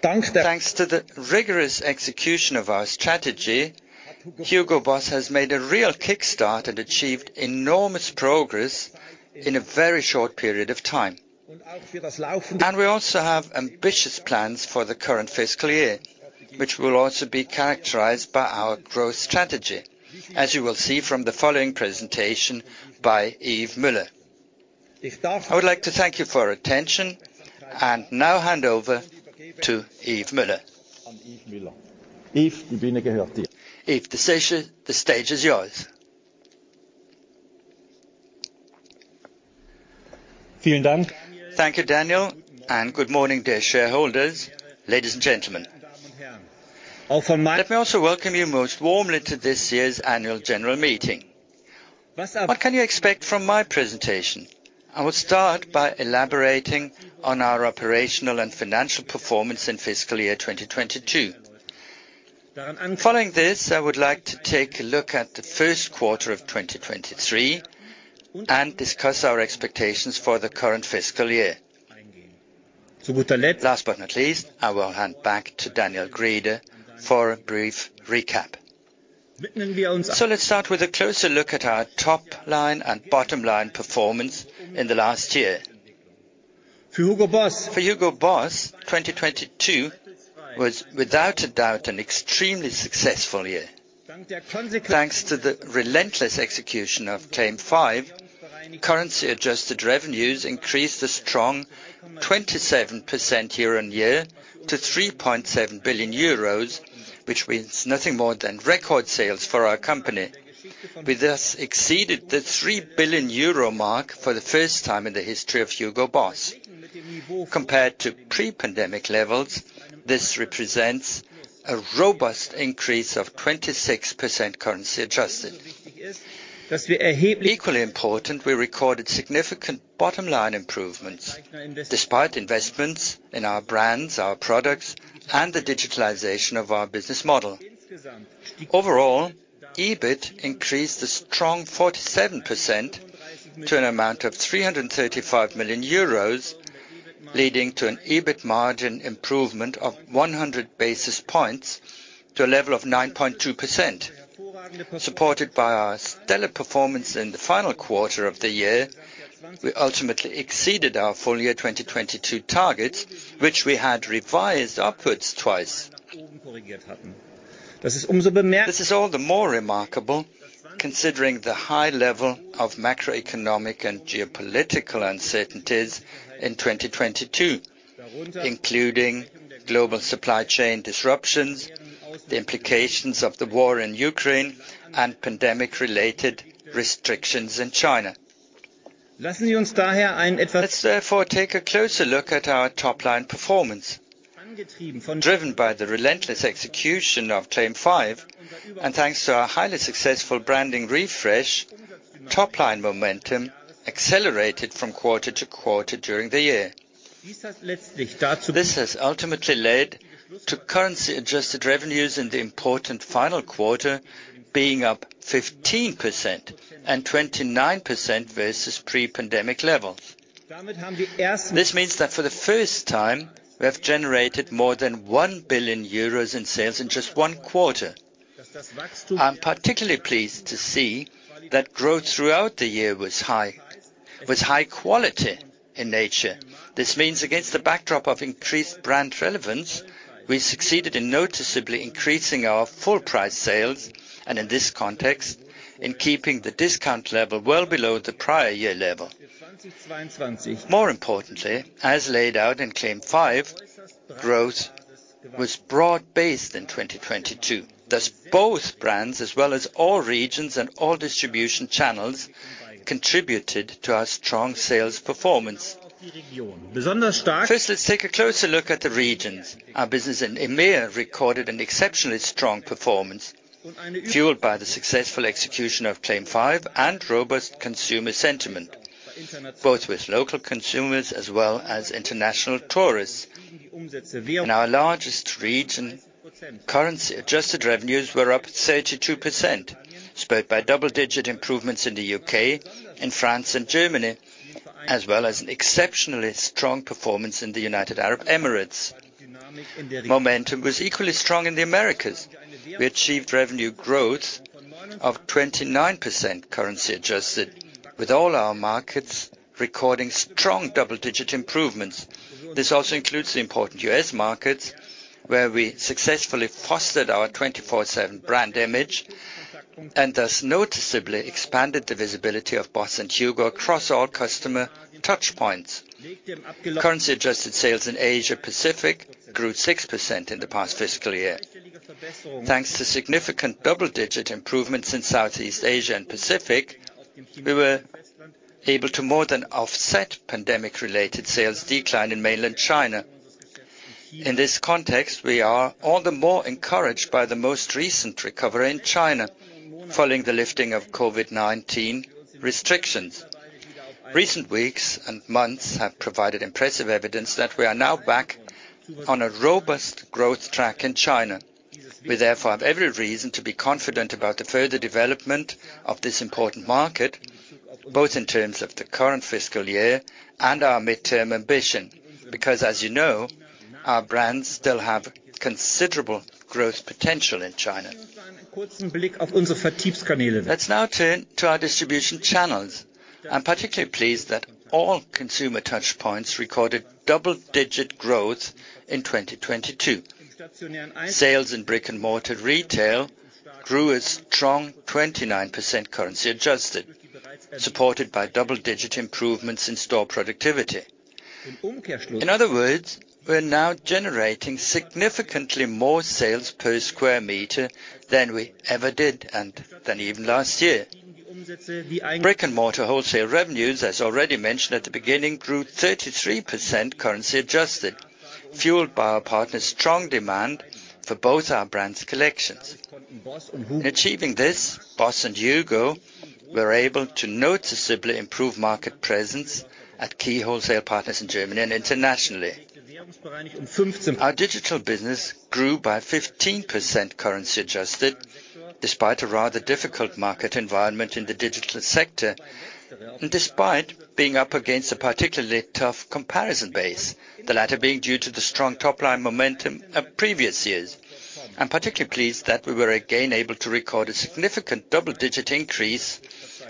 Thanks to the rigorous execution of our strategy, HUGO BOSS has made a real kickstart and achieved enormous progress in a very short period of time. We also have ambitious plans for the current fiscal year, which will also be characterized by our growth strategy, as you will see from the following presentation by Yves Müller. I would like to thank you for your attention, and now hand over to Yves Müller. Yves, the stage is yours. Thank you, Daniel, and good morning, dear shareholders, ladies and gentlemen. Let me also welcome you most warmly to this year's Annual General Meeting. What can you expect from my presentation? I will start by elaborating on our operational and financial performance in fiscal year 2022. Following this, I would like to take a look at the first quarter of 2023 and discuss our expectations for the current fiscal year. Last but not least, I will hand back to Daniel Grieder for a brief recap. Let's start with a closer look at our top-line and bottom-line performance in the last year. For HUGO BOSS, 2022 was without a doubt an extremely successful year. Thanks to the relentless execution of CLAIM 5, currency-adjusted revenues increased a strong 27% year-on-year to 3.7 billion euros. Which means nothing more than record sales for our company. We thus exceeded the 3 billion euro mark for the first time in the history of HUGO BOSS. Compared to pre-pandemic levels, this represents a robust increase of 26% currency-adjusted. Equally important, we recorded significant bottom-line improvements despite investments in our brands, our products, and the digitalization of our business model. Overall, EBIT increased a strong 47% to an amount of 335 million euros, leading to an EBIT margin improvement of 100 basis points to a level of 9.2%. Supported by our stellar performance in the final quarter of the year, we ultimately exceeded our full year 2022 targets, which we had revised upwards twice. This is all the more remarkable considering the high level of macroeconomic and geopolitical uncertainties in 2022, including global supply chain disruptions, the implications of the war in Ukraine, and pandemic-related restrictions in China. Let's therefore take a closer look at our top-line performance. Driven by the relentless execution of CLAIM 5, and thanks to our highly successful branding refresh, top-line momentum accelerated from quarter to quarter during the year. This has ultimately led to currency-adjusted revenues in the important final quarter being up 15% and 29% versus pre-pandemic levels. This means that for the first time, we have generated more than 1 billion euros in sales in just one quarter. I'm particularly pleased to see that growth throughout the year was high quality in nature. This means against the backdrop of increased brand relevance, we succeeded in noticeably increasing our full price sales, and in this context, in keeping the discount level well below the prior year level. More importantly, as laid out in CLAIM 5, growth was broad-based in 2022. Thus, both brands as well as all regions and all distribution channels contributed to our strong sales performance. First, let's take a closer look at the regions. Our business in EMEIA recorded an exceptionally strong performance fueled by the successful execution of CLAIM 5 and robust consumer sentiment, both with local consumers as well as international tourists. In our largest region, currency-adjusted revenues were up 32%, spurred by double-digit improvements in the U.K., in France and Germany, as well as an exceptionally strong performance in the United Arab Emirates. Momentum was equally strong in the Americas. We achieved revenue growth of 29% currency-adjusted, with all our markets recording strong double-digit improvements. This also includes the important US markets, where we successfully fostered our 24/7 brand image and thus noticeably expanded the visibility of BOSS and HUGO across all customer touchpoints. Currency-adjusted sales in Asia Pacific grew 6% in the past fiscal year. Thanks to significant double-digit improvements in Southeast Asia and Pacific, we were able to more than offset pandemic-related sales decline in mainland China. In this context, we are all the more encouraged by the most recent recovery in China following the lifting of COVID-19 restrictions. Recent weeks and months have provided impressive evidence that we are now back on a robust growth track in China. We therefore have every reason to be confident about the further development of this important market, both in terms of the current fiscal year and our midterm ambition. As you know, our brands still have considerable growth potential in China. Let's now turn to our distribution channels. I'm particularly pleased that all consumer touchpoints recorded double-digit growth in 2022. Sales in brick-and-mortar retail grew a strong 29% currency-adjusted, supported by double-digit improvements in store productivity. In other words, we're now generating significantly more sales per square meter than we ever did and than even last year. Brick-and-mortar wholesale revenues, as already mentioned at the beginning, grew 33% currency-adjusted, fueled by our partners' strong demand for both our brands collections. In achieving this, BOSS and HUGO were able to noticeably improve market presence at key wholesale partners in Germany and internationally. Our digital business grew by 15% currency-adjusted, despite a rather difficult market environment in the digital sector, and despite being up against a particularly tough comparison base, the latter being due to the strong top-line momentum of previous years. I'm particularly pleased that we were again able to record a significant double-digit increase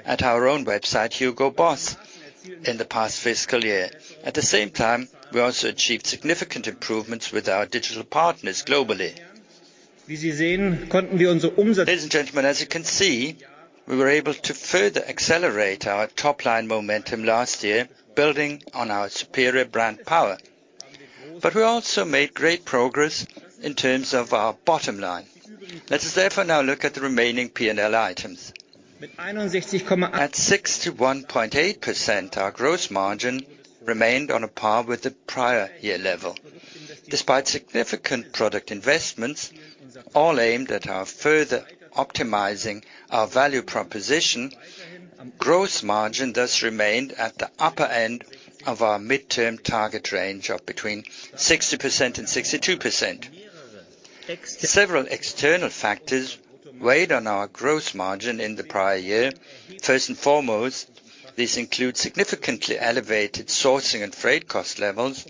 at our own website, hugoboss.com, in the past fiscal year. At the same time, we also achieved significant improvements with our digital partners globally. Ladies and gentlemen, as you can see. We were able to further accelerate our top-line momentum last year building on our superior brand power. We also made great progress in terms of our bottom line. Let us therefore now look at the remaining P&L items. At 61.8%, our gross margin remained on par with the prior year level. Despite significant product investments, all aimed at our further optimizing our value proposition, gross margin thus remained at the upper end of our midterm target range of between 60% and 62%. The several external factors weighed on our gross margin in the prior year. First and foremost, these include significantly elevated sourcing and freight cost levels,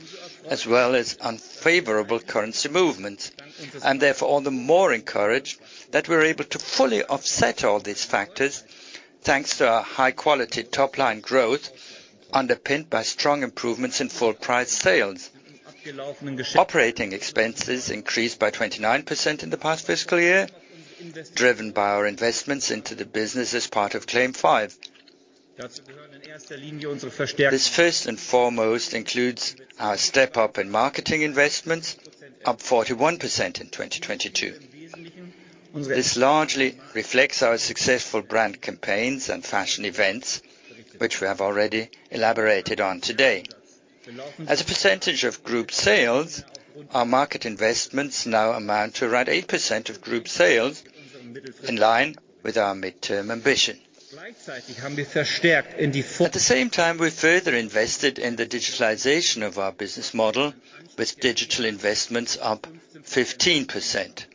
as well as unfavorable currency movements. I'm therefore all the more encouraged that we're able to fully offset all these factors thanks to our high-quality top-line growth underpinned by strong improvements in full price sales. Operating expenses increased by 29% in the past fiscal year, driven by our investments into the business as part of CLAIM 5. This first and foremost includes our step-up in marketing investments, up 41% in 2022. This largely reflects our successful brand campaigns and fashion events which we have already elaborated on today. As a percentage of group sales, our market investments now amount to around 8% of group sales in line with our midterm ambition. At the same time, we've further invested in the digitalization of our business model with digital investments up 15%.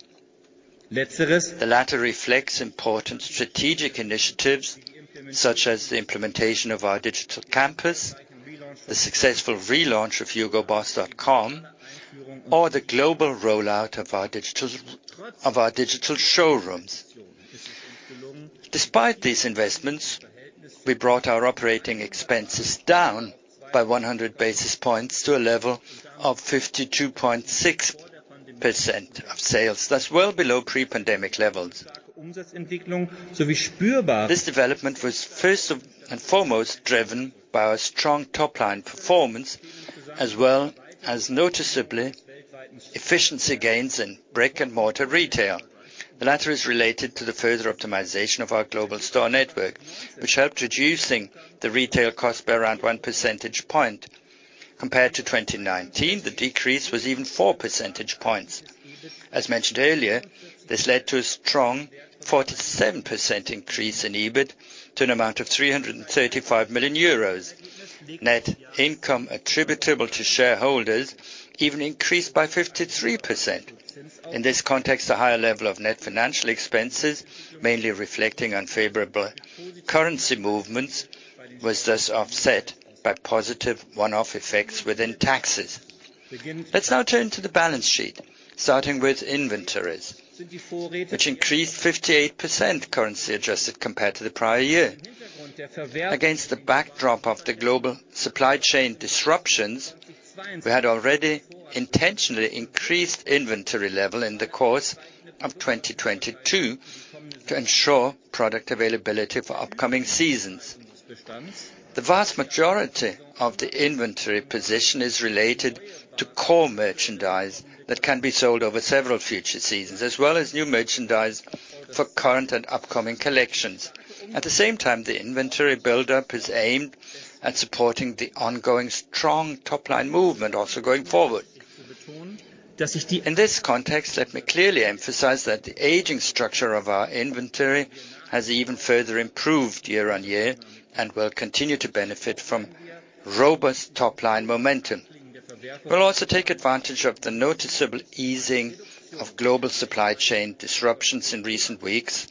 The latter reflects important strategic initiatives such as the implementation of our Digital Campus, the successful relaunch of hugoboss.com, or the global rollout of our digital showrooms. Despite these investments, we brought our operating expenses down by 100 basis points to a level of 52.6% of sales. That's well below pre-pandemic levels. This development was first and foremost driven by our strong top-line performance, as well as noticeably efficiency gains in brick-and-mortar retail. The latter is related to the further optimization of our global store network, which helped reducing the retail cost by around one percentage point. Compared to 2019, the decrease was even four percentage points. As mentioned earlier, this led to a strong 47% increase in EBIT to an amount of 335 million euros. Net income attributable to shareholders even increased by 53%. In this context, a higher level of net financial expenses, mainly reflecting unfavorable currency movements, was thus offset by positive one-off effects within taxes. Let's now turn to the balance sheet, starting with inventories, which increased 58% currency-adjusted compared to the prior year. Against the backdrop of the global supply chain disruptions, we had already intentionally increased inventory level in the course of 2022 to ensure product availability for upcoming seasons. The vast majority of the inventory position is related to core merchandise that can be sold over several future seasons, as well as new merchandise for current and upcoming collections. At the same time, the inventory buildup is aimed at supporting the ongoing strong top-line movement, also going forward. In this context, let me clearly emphasize that the aging structure of our inventory has even further improved year-on-year and will continue to benefit from robust top-line momentum. We'll also take advantage of the noticeable easing of global supply chain disruptions in recent weeks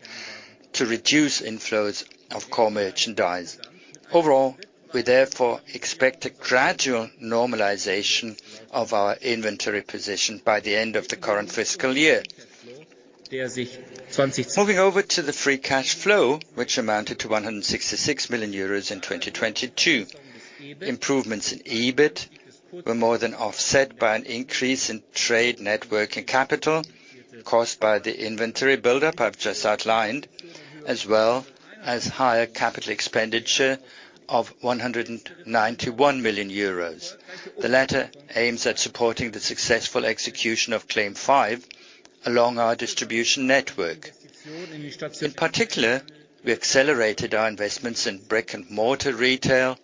to reduce inflows of core merchandise. Overall, we therefore expect a gradual normalization of our inventory position by the end of the current fiscal year. Moving over to the free cash flow, which amounted to 166 million euros in 2022. Improvements in EBIT were more than offset by an increase in trade network and capital caused by the inventory buildup I've just outlined, as well as higher capital expenditure of 191 million euros. The latter aims at supporting the successful execution of CLAIM 5 along our distribution network. In particular, we accelerated our investments in brick-and-mortar retail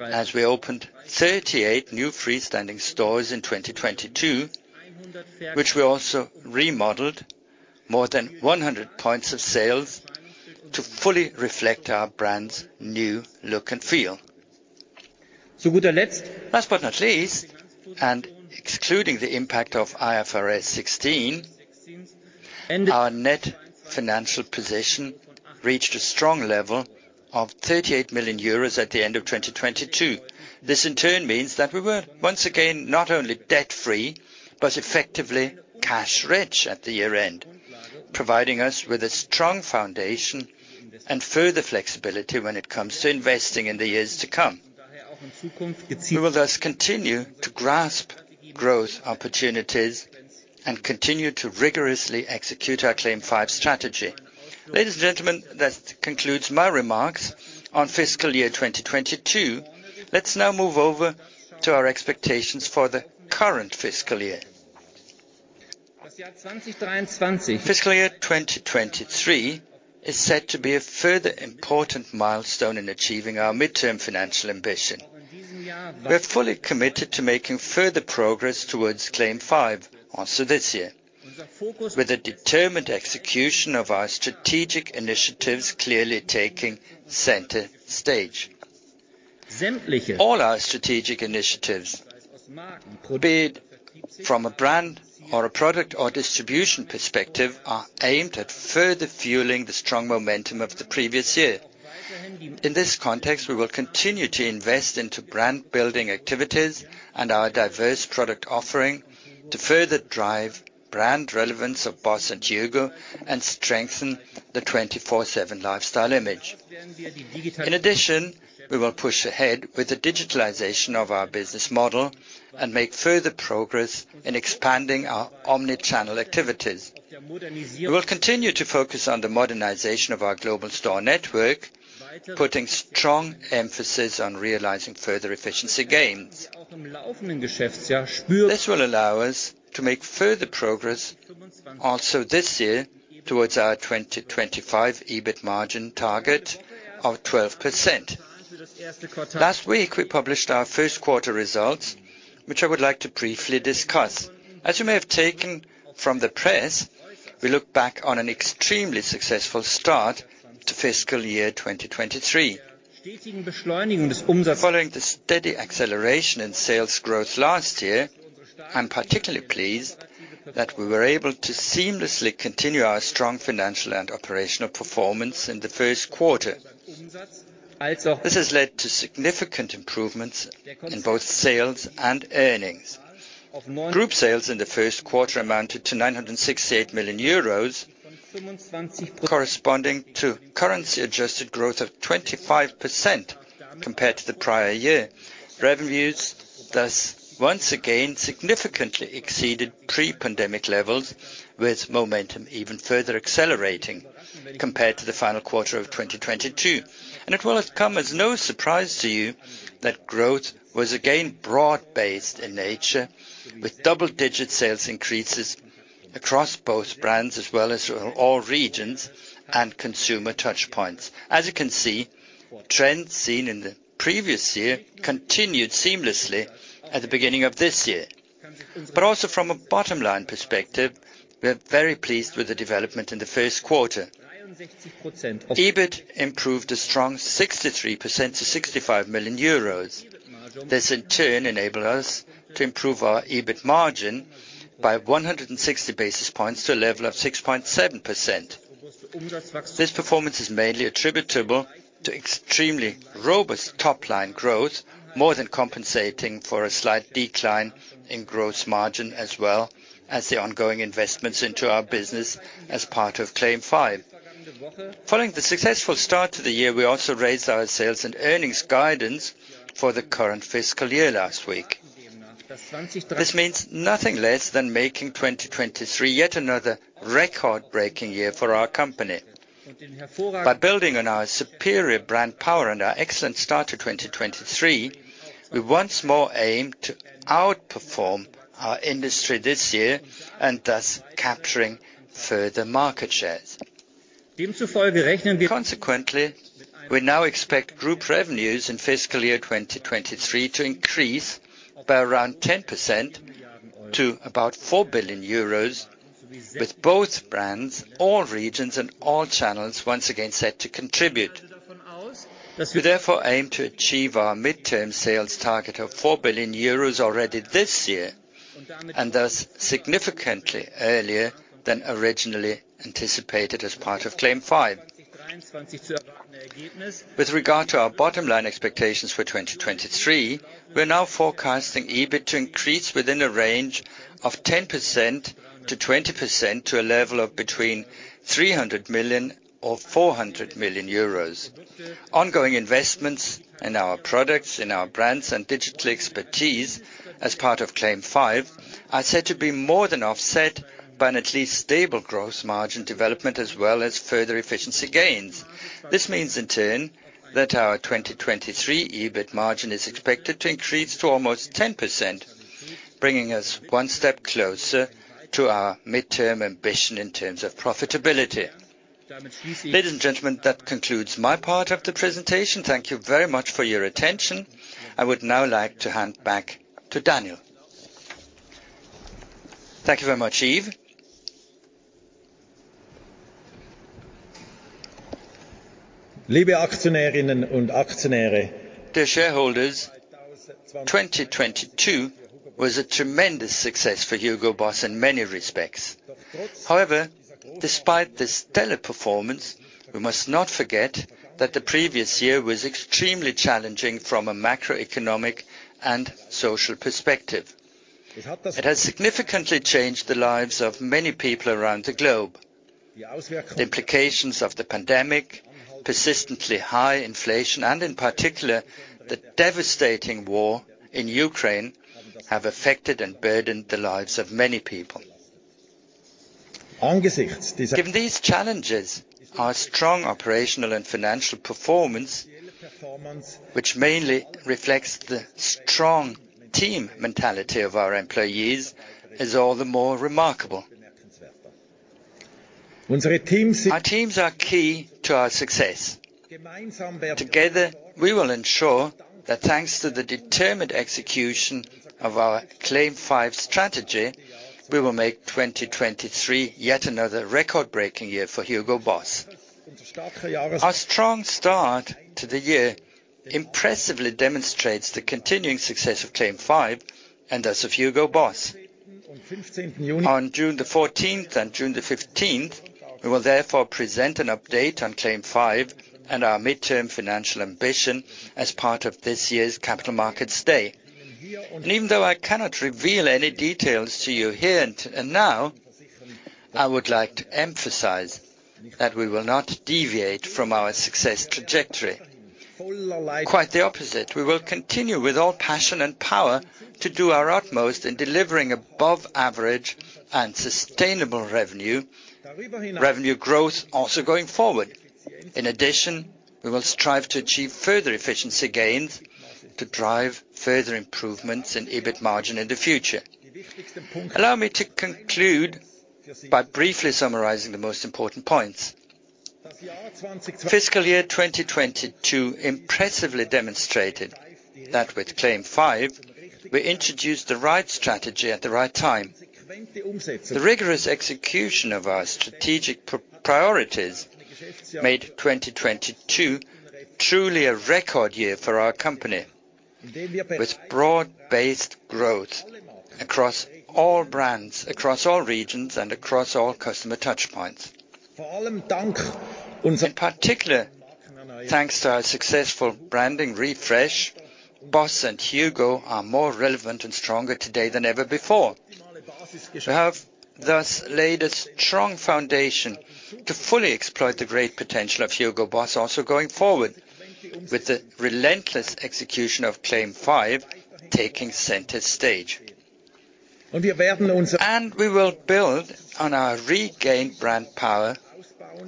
as we opened 38 new freestanding stores in 2022, which we also remodeled more than 100 points of sales to fully reflect our brand's new look and feel. Last but not least, excluding the impact of IFRS 16, our net financial position reached a strong level of 38 million euros at the end of 2022. This in turn means that we were once again not only debt-free, but effectively cash-rich at the year-end, providing us with a strong foundation and further flexibility when it comes to investing in the years to come. We will thus continue to grasp growth opportunities and continue to rigorously execute our CLAIM 5 strategy. Ladies and gentlemen, that concludes my remarks on fiscal year 2022. Let's now move over to our expectations for the current fiscal year. Fiscal year 2023 is set to be a further important milestone in achieving our midterm financial ambition. We're fully committed to making further progress towards CLAIM 5 also this year. With the determined execution of our strategic initiatives clearly taking center stage. All our strategic initiatives, be it from a brand or a product or distribution perspective, are aimed at further fueling the strong momentum of the previous year. In this context, we will continue to invest into brand-building activities and our diverse product offering to further drive brand relevance of BOSS and HUGO, and strengthen the 24/7 lifestyle image. In addition, we will push ahead with the digitalization of our business model and make further progress in expanding our omnichannel activities. We will continue to focus on the modernization of our global store network, putting strong emphasis on realizing further efficiency gains. This will allow us to make further progress also this year towards our 2025 EBIT margin target of 12%. Last week, we published our first quarter results, which I would like to briefly discuss. As you may have taken from the press, we look back on an extremely successful start to fiscal year 2023. Following the steady acceleration in sales growth last year, I'm particularly pleased that we were able to seamlessly continue our strong financial and operational performance in the first quarter. This has led to significant improvements in both sales and earnings. Group sales in the first quarter amounted to 968 million euros, corresponding to currency-adjusted growth of 25% compared to the prior year. Revenues once again significantly exceeded pre-pandemic levels with momentum even further accelerating compared to the final quarter of 2022. It will have come as no surprise to you that growth was again broad-based in nature with double-digit sales increases across both brands as well as all regions and consumer touchpoints. As you can see, trends seen in the previous year continued seamlessly at the beginning of this year. Also from a bottom line perspective, we are very pleased with the development in the first quarter. EBIT improved a strong 63% to 65 million euros. This in turn enabled us to improve our EBIT margin by 160 basis points to a level of 6.7%. This performance is mainly attributable to extremely robust top-line growth, more than compensating for a slight decline in gross margin, as well as the ongoing investments into our business as part of CLAIM 5. Following the successful start to the year, we also raised our sales and earnings guidance for the current fiscal year last week. This means nothing less than making 2023 yet another record-breaking year for our company. By building on our superior brand power and our excellent start to 2023, we once more aim to outperform our industry this year, and thus capturing further market shares. Consequently, we now expect Group revenues in fiscal year 2023 to increase by around 10% to about 4 billion euros with both brands, all regions, and all channels once again set to contribute. We therefore aim to achieve our midterm sales target of 4 billion euros already this year, and thus significantly earlier than originally anticipated as part of CLAIM 5. With regard to our bottom line expectations for 2023, we're now forecasting EBIT to increase within a range of 10%-20% to a level of between 300 million or 400 million euros. Ongoing investments in our products, in our brands, and digital expertise as part of CLAIM 5 are said to be more than offset by an at least stable gross margin development as well as further efficiency gains. This means in turn that our 2023 EBIT margin is expected to increase to almost 10%, bringing us one step closer to our midterm ambition in terms of profitability. Ladies and gentlemen, that concludes my part of the presentation. Thank you very much for your attention. I would now like to hand back to Daniel. Thank you very much, Yves. Dear shareholders, 2022 was a tremendous success for HUGO BOSS in many respects. However, despite the stellar performance, we must not forget that the previous year was extremely challenging from a macroeconomic and social perspective. It has significantly changed the lives of many people around the globe. The implications of the pandemic, persistently high inflation, and in particular, the devastating war in Ukraine, have affected and burdened the lives of many people. Given these challenges, our strong operational and financial performance, which mainly reflects the strong team mentality of our employees, is all the more remarkable. Our teams are key to our success. Together, we will ensure that thanks to the determined execution of our CLAIM 5 strategy, we will make 2023 yet another record-breaking year for HUGO BOSS. Our strong start to the year impressively demonstrates the continuing success of CLAIM 5, and as of HUGO BOSS. On June 14th and June 15th, we will therefore present an update on CLAIM 5 and our midterm financial ambition as part of this year's capital markets day. Even though I cannot reveal any details to you here and now, I would like to emphasize that we will not deviate from our success trajectory. Quite the opposite, we will continue with all passion and power to do our utmost in delivering above average and sustainable revenue growth also going forward. In addition, we will strive to achieve further efficiency gains to drive further improvements in EBIT margin in the future. Allow me to conclude by briefly summarizing the most important points. Fiscal year 2022 impressively demonstrated that with CLAIM 5, we introduced the right strategy at the right time. The rigorous execution of our strategic priorities made 2022 truly a record year for our company, with broad-based growth across all brands, across all regions, and across all customer touch points. In particular, thanks to our successful branding refresh, BOSS and HUGO are more relevant and stronger today than ever before. We have thus laid a strong foundation to fully exploit the great potential of HUGO BOSS also going forward, with the relentless execution of CLAIM 5 taking center stage. We will build on our regained brand power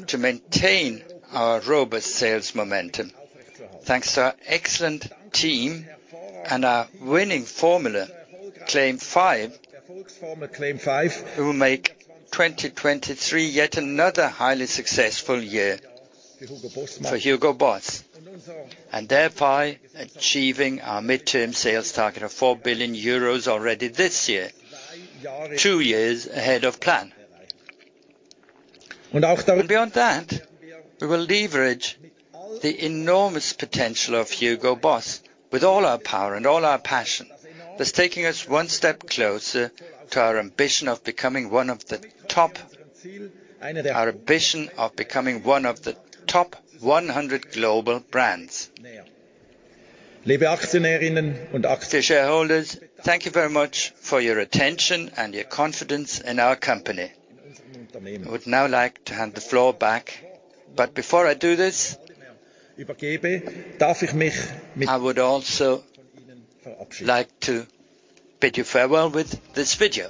to maintain our robust sales momentum. Thanks to our excellent team and our winning formula, CLAIM 5, we will make 2023 yet another highly successful year for HUGO BOSS, and thereby achieving our midterm sales target of 4 billion euros already this year, two years ahead of plan. Beyond that, we will leverage the enormous potential of HUGO BOSS with all our power and all our passion. Thus taking us one step closer to our ambition of becoming one of the top 100 global brands. Dear shareholders, thank you very much for your attention and your confidence in our company. I would now like to hand the floor back. Before I do this, I would also like to bid you farewell with this video.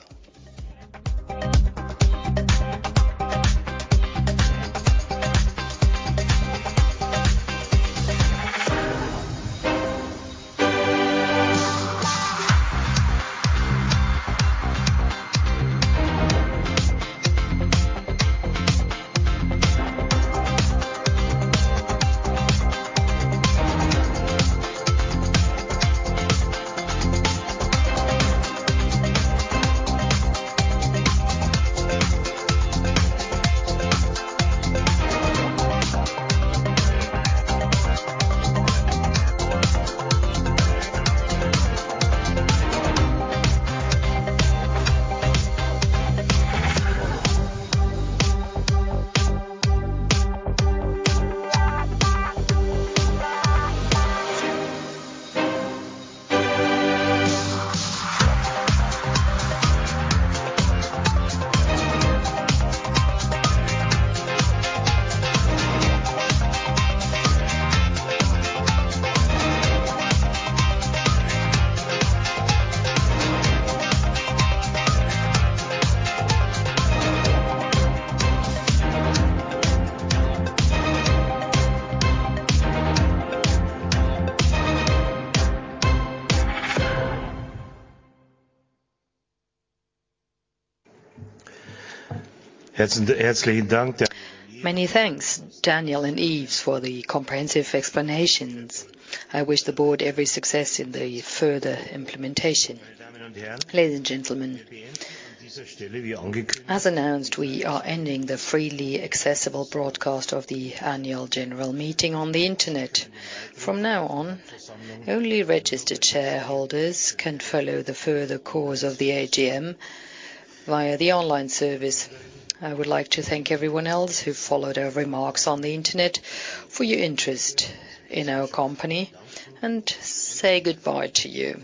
Many thanks, Daniel and Yves, for the comprehensive explanations. I wish the board every success in the further implementation. Ladies and gentlemen, as announced, we are ending the freely accessible broadcast of the Annual General Meeting on the Internet. From now on, only registered shareholders can follow the further course of the AGM via the online service. I would like to thank everyone else who followed our remarks on the Internet for your interest in our company and say goodbye to you.